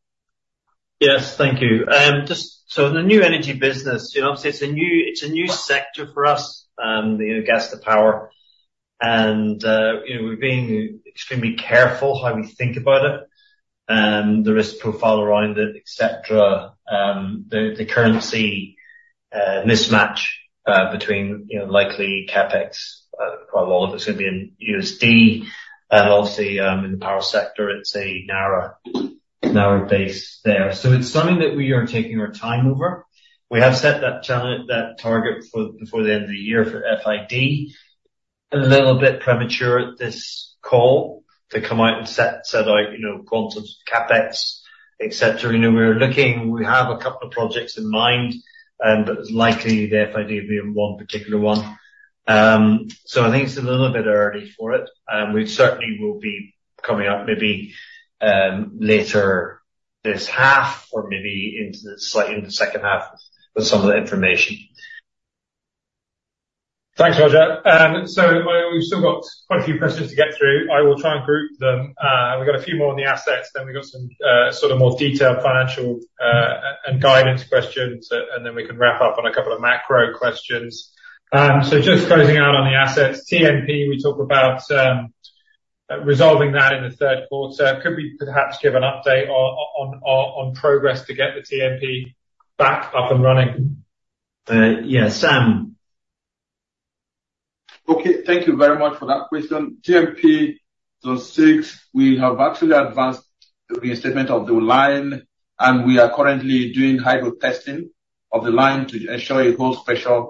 Speaker 2: Yes, thank you. Just so the new energy business, you know, obviously it's a new, it's a new sector for us, you know, gas to power. And, you know, we're being extremely careful how we think about it, the risk profile around it, etc. The, the currency, mismatch, between, you know, likely CapEx, quite a lot of it's gonna be in USD, and obviously, in the power sector, it's a narrower, narrower base there. So it's something that we are taking our time over. We have set that challenge, that target for before the end of the year for FID. A little bit premature at this call to come out and set, set out, you know, quantum CapEx, etc. You know, we're looking. We have a couple of projects in mind, but it's likely the FID being one particular one. So I think it's a little bit early for it. We certainly will be coming up maybe, later this half or maybe into the slightly in the second half with some of the information.
Speaker 1: Thanks, Roger. So we've still got quite a few questions to get through. I will try and group them. We've got a few more on the assets, then we've got some, sort of, more detailed financial, and guidance questions, and then we can wrap up on a couple of macro questions. So just closing out on the assets, TNP, we talk about resolving that in the third quarter. Could we perhaps give an update on progress to get the TNP back up and running?
Speaker 2: Yes, Sam.
Speaker 3: Okay. Thank you very much for that question. TNP, Zone 6, we have actually advanced the reinstatement of the line, and we are currently doing hydrotesting of the line to ensure it holds pressure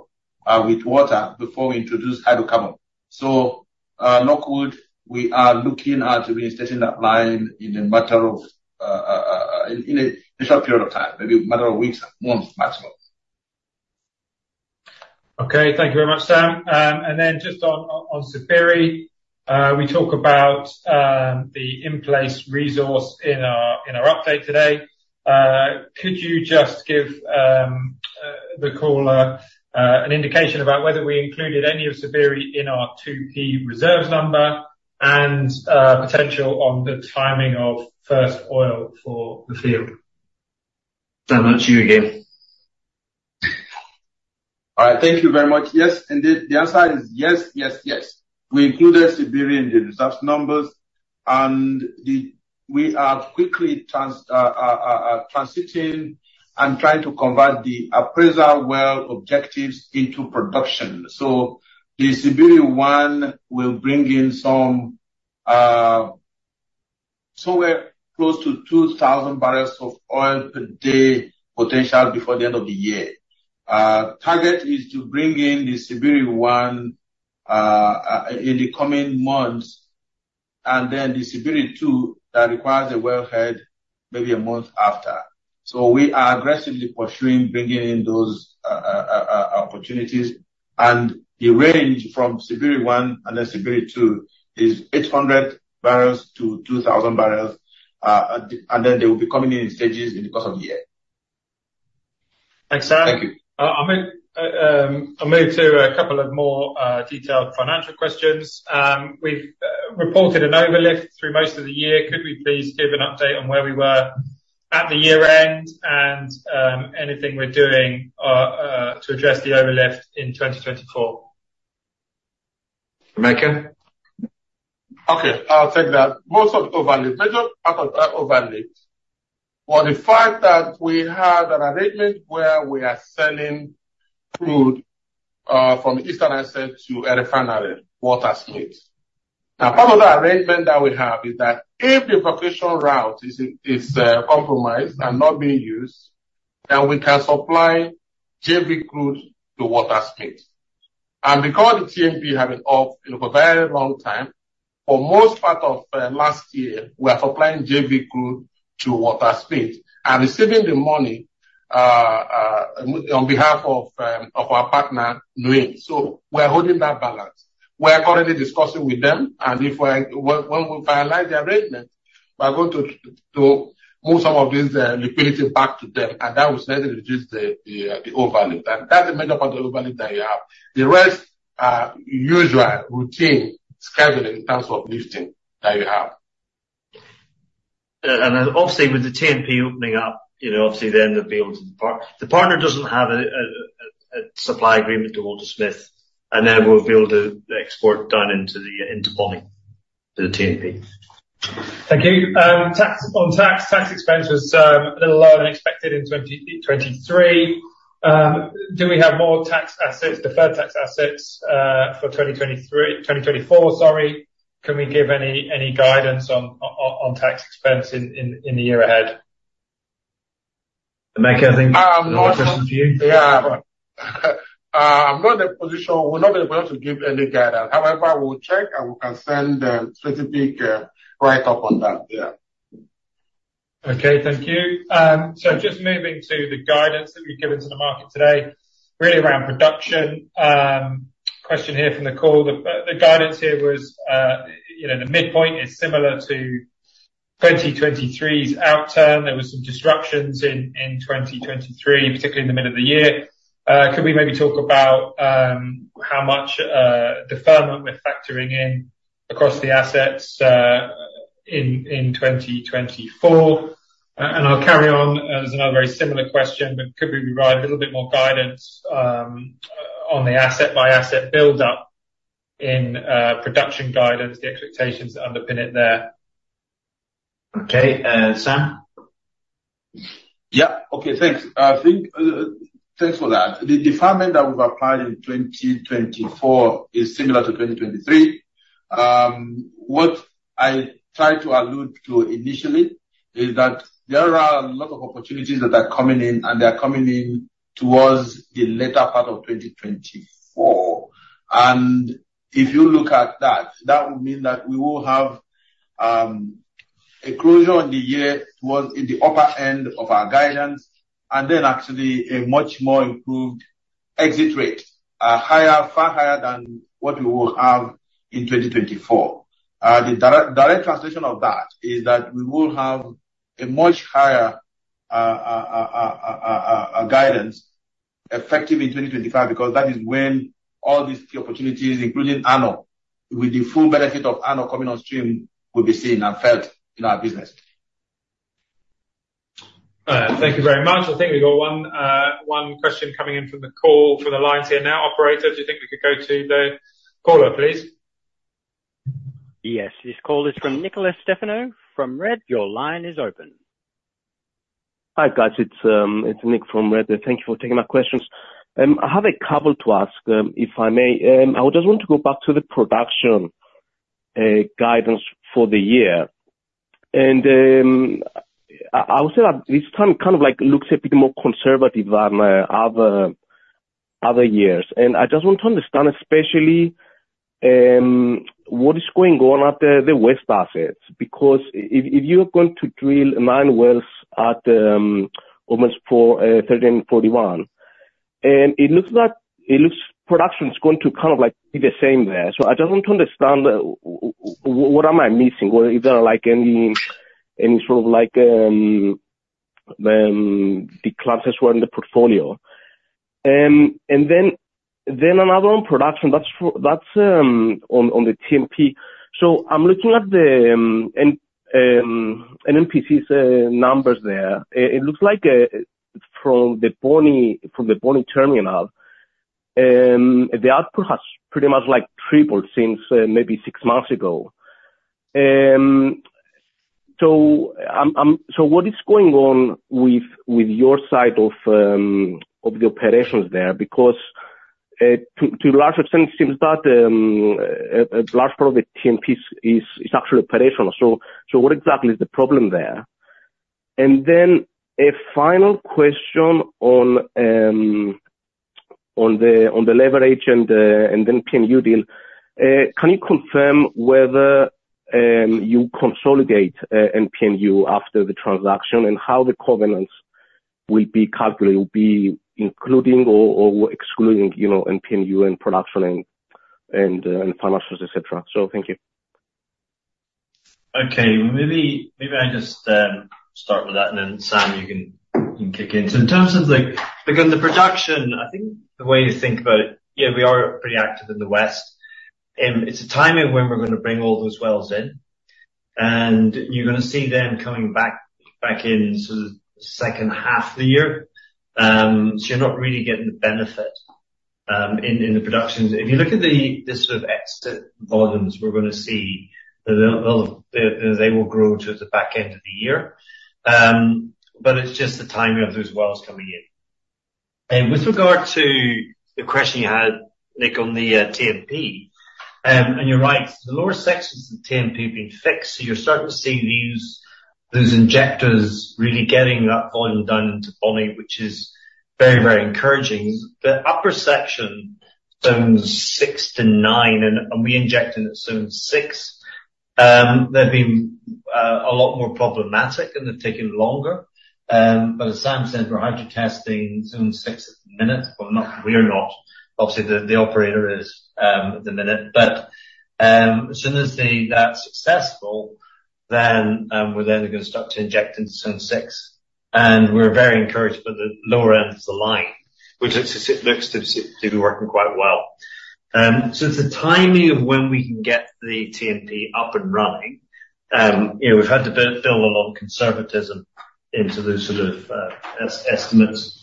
Speaker 3: with water before we introduce hydrocarbon. So, knock on wood, we are looking at reinstating that line in a matter of in a short period of time, maybe a matter of weeks, months, maximum.
Speaker 1: Okay, thank you very much, Sam. And then just on Sibiri, we talk about the in-place resource in our update today. Could you just give the caller an indication about whether we included any of Sibiri in our 2P reserves number and potential on the timing of first oil for the field?
Speaker 2: Sam, that's you again.
Speaker 3: All right. Thank you very much. Yes, indeed. The answer is yes, yes, yes. We included Sibiri in the reserves numbers, and we are quickly transitioning and trying to convert the appraisal well objectives into production. So the Sibiri-1 will bring in somewhere close to 2,000 bbl of oil per day potential before the end of the year. Target is to bring in the Sibiri-1 in the coming months, and then the Sibiri-2, that requires a wellhead, maybe a month after. So we are aggressively pursuing bringing in those opportunities, and the range from Sibiri-1 and then Sibiri-2 is 800 bbl-2,000 bbl, and then they will be coming in in stages in the course of the year.
Speaker 1: Thanks, Sam.
Speaker 3: Thank you.
Speaker 1: I'll move to a couple of more detailed financial questions. We've reported an overlift through most of the year. Could we please give an update on where we were at the year-end and anything we're doing to address the overlift in 2024?
Speaker 2: Emeka?
Speaker 4: Okay, I'll take that. Most of the overlift, major part of that overlift, was the fact that we had an arrangement where we are selling crude from the eastern asset to a refinery, Waltersmith. Now, part of the arrangement that we have is that if the traditional route is compromised and not being used, then we can supply JV crude to Waltersmith. And because the TNP have been off, you know, for a very long time, for most part of last year, we are supplying JV crude to Waltersmith and receiving the money on behalf of our partner, NNPC. So we're holding that balance. We are currently discussing with them, and when we finalize the arrangement, we are going to move some of this liquidity back to them, and that will slightly reduce the overlift. And that's the major part of the overlift that you have. The rest are usual routine scheduling in terms of lifting that you have.
Speaker 2: And then obviously, with the TNP opening up, you know, obviously, then they'll be able to, the partner doesn't have a supply agreement with Waltersmith, and then we'll be able to export down into Bonny to the TNP.
Speaker 1: Thank you. Tax expense was a little lower than expected in 2023. Do we have more tax assets, deferred tax assets, for 2023, 2024, sorry? Can we give any guidance on tax expense in the year ahead?
Speaker 2: Emeka, I think.
Speaker 4: Um.
Speaker 2: That question's for you.
Speaker 4: Yeah. I'm not in a position, we're not in a position to give any guidance. However, we'll check, and we can send a specific write-up on that. Yeah.
Speaker 1: Okay, thank you. So just moving to the guidance that you've given to the market today, really around production. Question here from the call, the, the guidance here was, you know, the midpoint is similar to 2023's outturn. There was some disruptions in, in 2023, particularly in the middle of the year. Could we maybe talk about, how much, deferment we're factoring in across the assets, in, in 2024? And I'll carry on. There's another very similar question, but could we provide a little bit more guidance, on the asset-by-asset build up in, production guidance, the expectations that underpin it there?
Speaker 2: Okay, Sam?
Speaker 3: Yeah. Okay, thanks. I think, thanks for that. The deferment that we've applied in 2024 is similar to 2023. What I tried to allude to initially is that there are a lot of opportunities that are coming in, and they're coming in towards the latter part of 2024. And if you look at that, that would mean that we will have a closure on the year was in the upper end of our guidance, and then actually a much more improved exit rate, higher, far higher than what we will have in 2024. The direct translation of that is that we will have a much higher guidance effective in 2025, because that is when all these key opportunities, including ANOH, with the full benefit of ANOH coming on stream, will be seen and felt in our business.
Speaker 1: Thank you very much. I think we've got one question coming in from the call, from the lines here now. Operator, do you think we could go to the caller, please?
Speaker 5: Yes, this call is from Nikolas Stefanou from REDD. Your line is open.
Speaker 8: Hi, guys. It's Nick from REDD. Thank you for taking my questions. I have a couple to ask, if I may. I just want to go back to the production guidance for the year. I would say that this time, kind of like, looks a bit more conservative than other years. I just want to understand, especially, what is going on at the west assets, because if you're going to drill nine wells at OML 4, OML 41, and it looks like production is going to kind of, like, be the same there. So I just want to understand what am I missing, or is there, like, any sort of, like, decliners were in the portfolio? And then another on production, that's on the TNP. So I'm looking at an MPNU's numbers there. It looks like from the Bonny Terminal the output has pretty much, like, tripled since maybe six months ago. So what is going on with your side of the operations there? Because to a large extent, it seems that a large part of the TNP is actually operational. So what exactly is the problem there? And then a final question on the leverage and then MPNU deal. Can you confirm whether you consolidate in MPNU after the transaction? How the covenants will be calculated, will be including or, or excluding, you know, MPNU and production and, and, financials, etc. So thank you.
Speaker 2: Okay, maybe, maybe I just start with that, and then, Sam, you can, you can kick in. So in terms of like, again, the production, I think the way to think about it, yeah, we are pretty active in the West. It's a timing when we're going to bring all those wells in, and you're going to see them coming back, back in sort of the second half of the year. So you're not really getting the benefit in the productions. If you look at the, the sort of exit volumes, we're going to see that they'll, they, they will grow towards the back end of the year. But it's just the timing of those wells coming in. With regard to the question you had, Nick, on the TNP, and you're right, the lower sections of the TNP have been fixed, so you're starting to see these, those injectors really getting that volume down into Bonny, which is very, very encouraging. The upper section, Zone 6 to Zone 9, and we're injecting at Zone 6, they've been a lot more problematic, and they've taken longer. But as Sam said, we're hydrotesting Zone 6 at the minute, well, not we're not, obviously the operator is at the minute. But as soon as that's successful, then we're then going to start to inject into Zone 6. And we're very encouraged by the lower end of the line, which looks to be working quite well. So it's the timing of when we can get the TNP up and running. You know, we've had to build a lot of conservatism into those sort of estimates.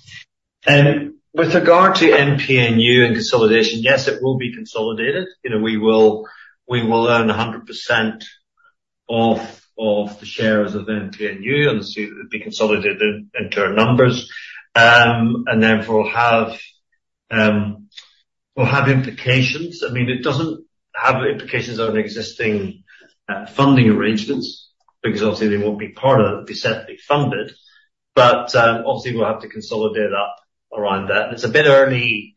Speaker 2: With regard to MPNU and consolidation, yes, it will be consolidated. You know, we will own 100% of the shares of MPNU, and obviously, it will be consolidated into our numbers. And then we'll have implications. I mean, it doesn't have implications on existing funding arrangements because obviously they won't be part of it, they're set to be funded. But obviously, we'll have to consolidate up around that. And it's a bit early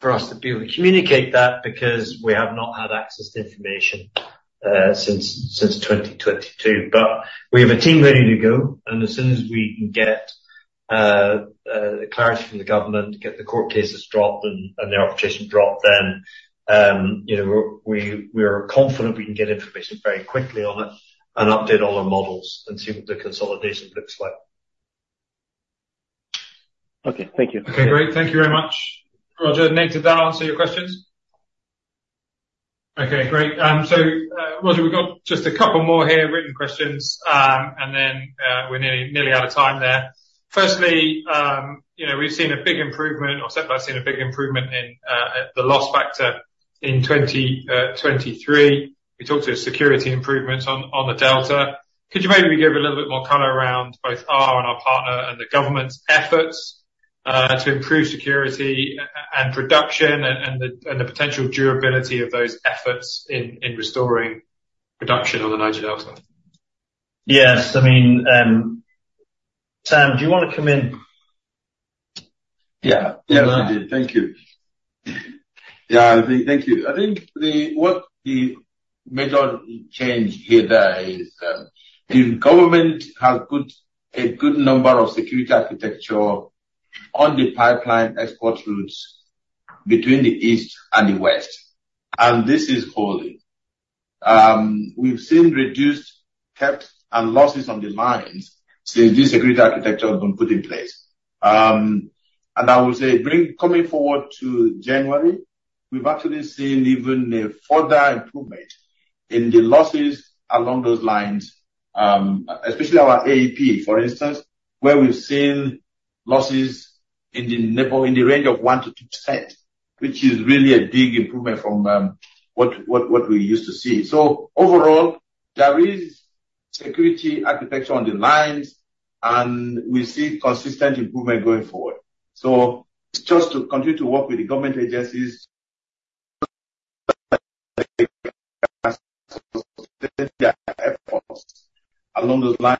Speaker 2: for us to be able to communicate that because we have not had access to information since 2022. But we have a team ready to go, and as soon as we can get the clarity from the government, get the court cases dropped and the arbitration dropped, then, you know, we are confident we can get information very quickly on it and update all our models and see what the consolidation looks like.
Speaker 8: Okay, thank you.
Speaker 1: Okay, great. Thank you very much, Roger. Nick, did that answer your questions? Okay, great. So, Roger, we've got just a couple more here, written questions, and then, we're nearly, nearly out of time there. Firstly, you know, we've seen a big improvement, or Seplat's seen a big improvement in the loss factor in 2023. We talked to security improvements on the Delta. Could you maybe give a little bit more color around both our and our partner and the government's efforts to improve security and production and the potential durability of those efforts in restoring production on the Niger Delta?
Speaker 2: Yes. I mean, Sam, do you want to comment?
Speaker 3: Yeah. Yes, I do. Thank you. Yeah, thank you. I think the, what the major change here there is, the government has a good number of security architecture on the pipeline export routes between the east and the west, and this is holding. We've seen reduced theft and losses on the lines since this security architecture has been put in place. And I would say coming forward to January, we've actually seen even a further improvement in the losses along those lines, especially our AEP, for instance, where we've seen losses in the range of 1%-2%, which is really a big improvement from what we used to see. So overall, there is security architecture on the lines, and we see consistent improvement going forward. So it's just to continue to work with the government agencies along those lines.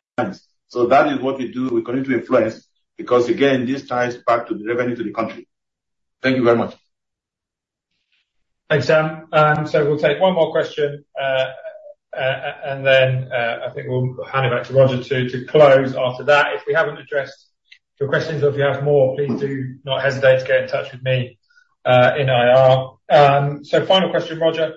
Speaker 3: So that is what we do. We continue to influence, because, again, this ties back to the revenue to the country. Thank you very much.
Speaker 1: Thanks, Sam. So we'll take one more question. Then, I think we'll hand it back to Roger to close after that. If we haven't addressed your questions or if you have more, please do not hesitate to get in touch with me in IR. So final question, Roger.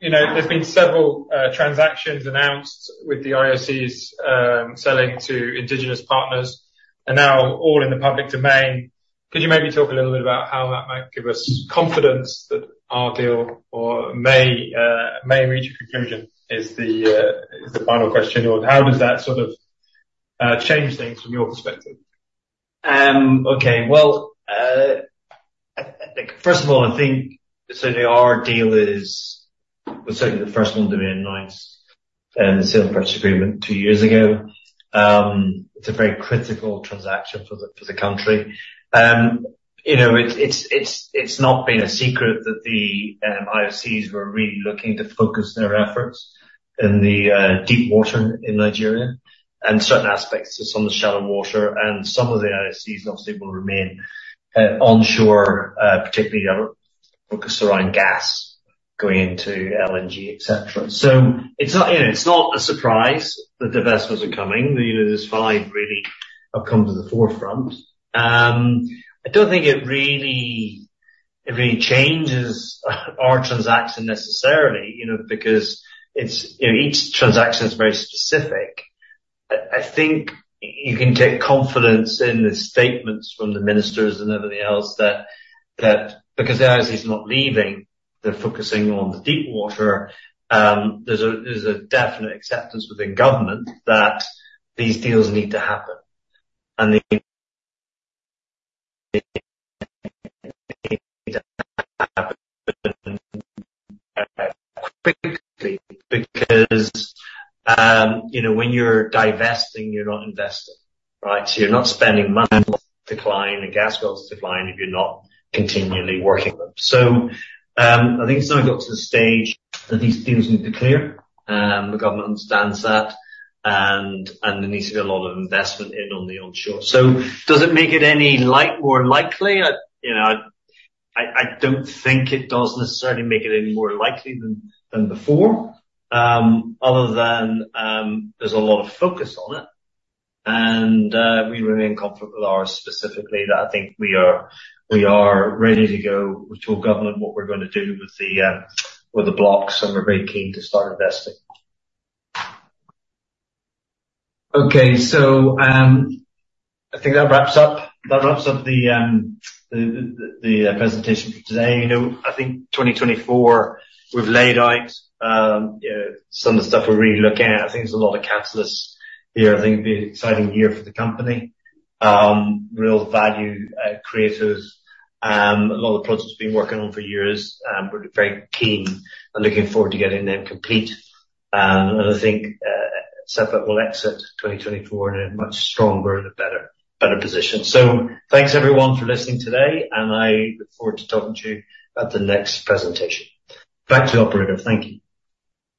Speaker 1: You know, there's been several transactions announced with the IOCs selling to indigenous partners and now all in the public domain. Could you maybe talk a little bit about how that might give us confidence that our deal may reach a conclusion? Is the final question, or how does that sort of change things from your perspective?
Speaker 2: Okay, well, first of all, I think certainly our deal is certainly the first one to be announced, the sale and purchase agreement two years ago. It's a very critical transaction for the country. You know, it's not been a secret that the IOCs were really looking to focus their efforts in the deep water in Nigeria and certain aspects of some of the shallow water, and some of the IOCs obviously will remain onshore, particularly focused around gas going into LNG, etc. So it's not, you know, it's not a surprise that the vessels are coming. You know, this five really have come to the forefront. I don't think it really changes our transaction necessarily, you know, because it's, you know, each transaction is very specific. I think you can take confidence in the statements from the ministers and everything else that because the IOC is not leaving, they're focusing on the deep water. There's a definite acceptance within government that these deals need to happen. And the quickly, because you know, when you're divesting, you're not investing, right? So you're not spending money, decline and gas goes decline if you're not continually working them. So I think it's now got to the stage that these things need to be clear, the government understands that, and there needs to be a lot of investment in on the onshore. So does it make it any more likely? You know, I don't think it does necessarily make it any more likely than before, other than there's a lot of focus on it, and we remain confident with ours specifically, that I think we are ready to go. We told government what we're gonna do with the blocks, and we're very keen to start investing. Okay, so I think that wraps up the presentation for today. You know, I think 2024, we've laid out, you know, some of the stuff we're really looking at. I think there's a lot of catalysts here. I think it'll be an exciting year for the company. Real value creators, a lot of the projects we've been working on for years. We're very keen and looking forward to getting them complete. And I think Seplat will exit 2024 in a much stronger and a better, better position. So thanks everyone for listening today, and I look forward to talking to you at the next presentation. Back to the operator. Thank you.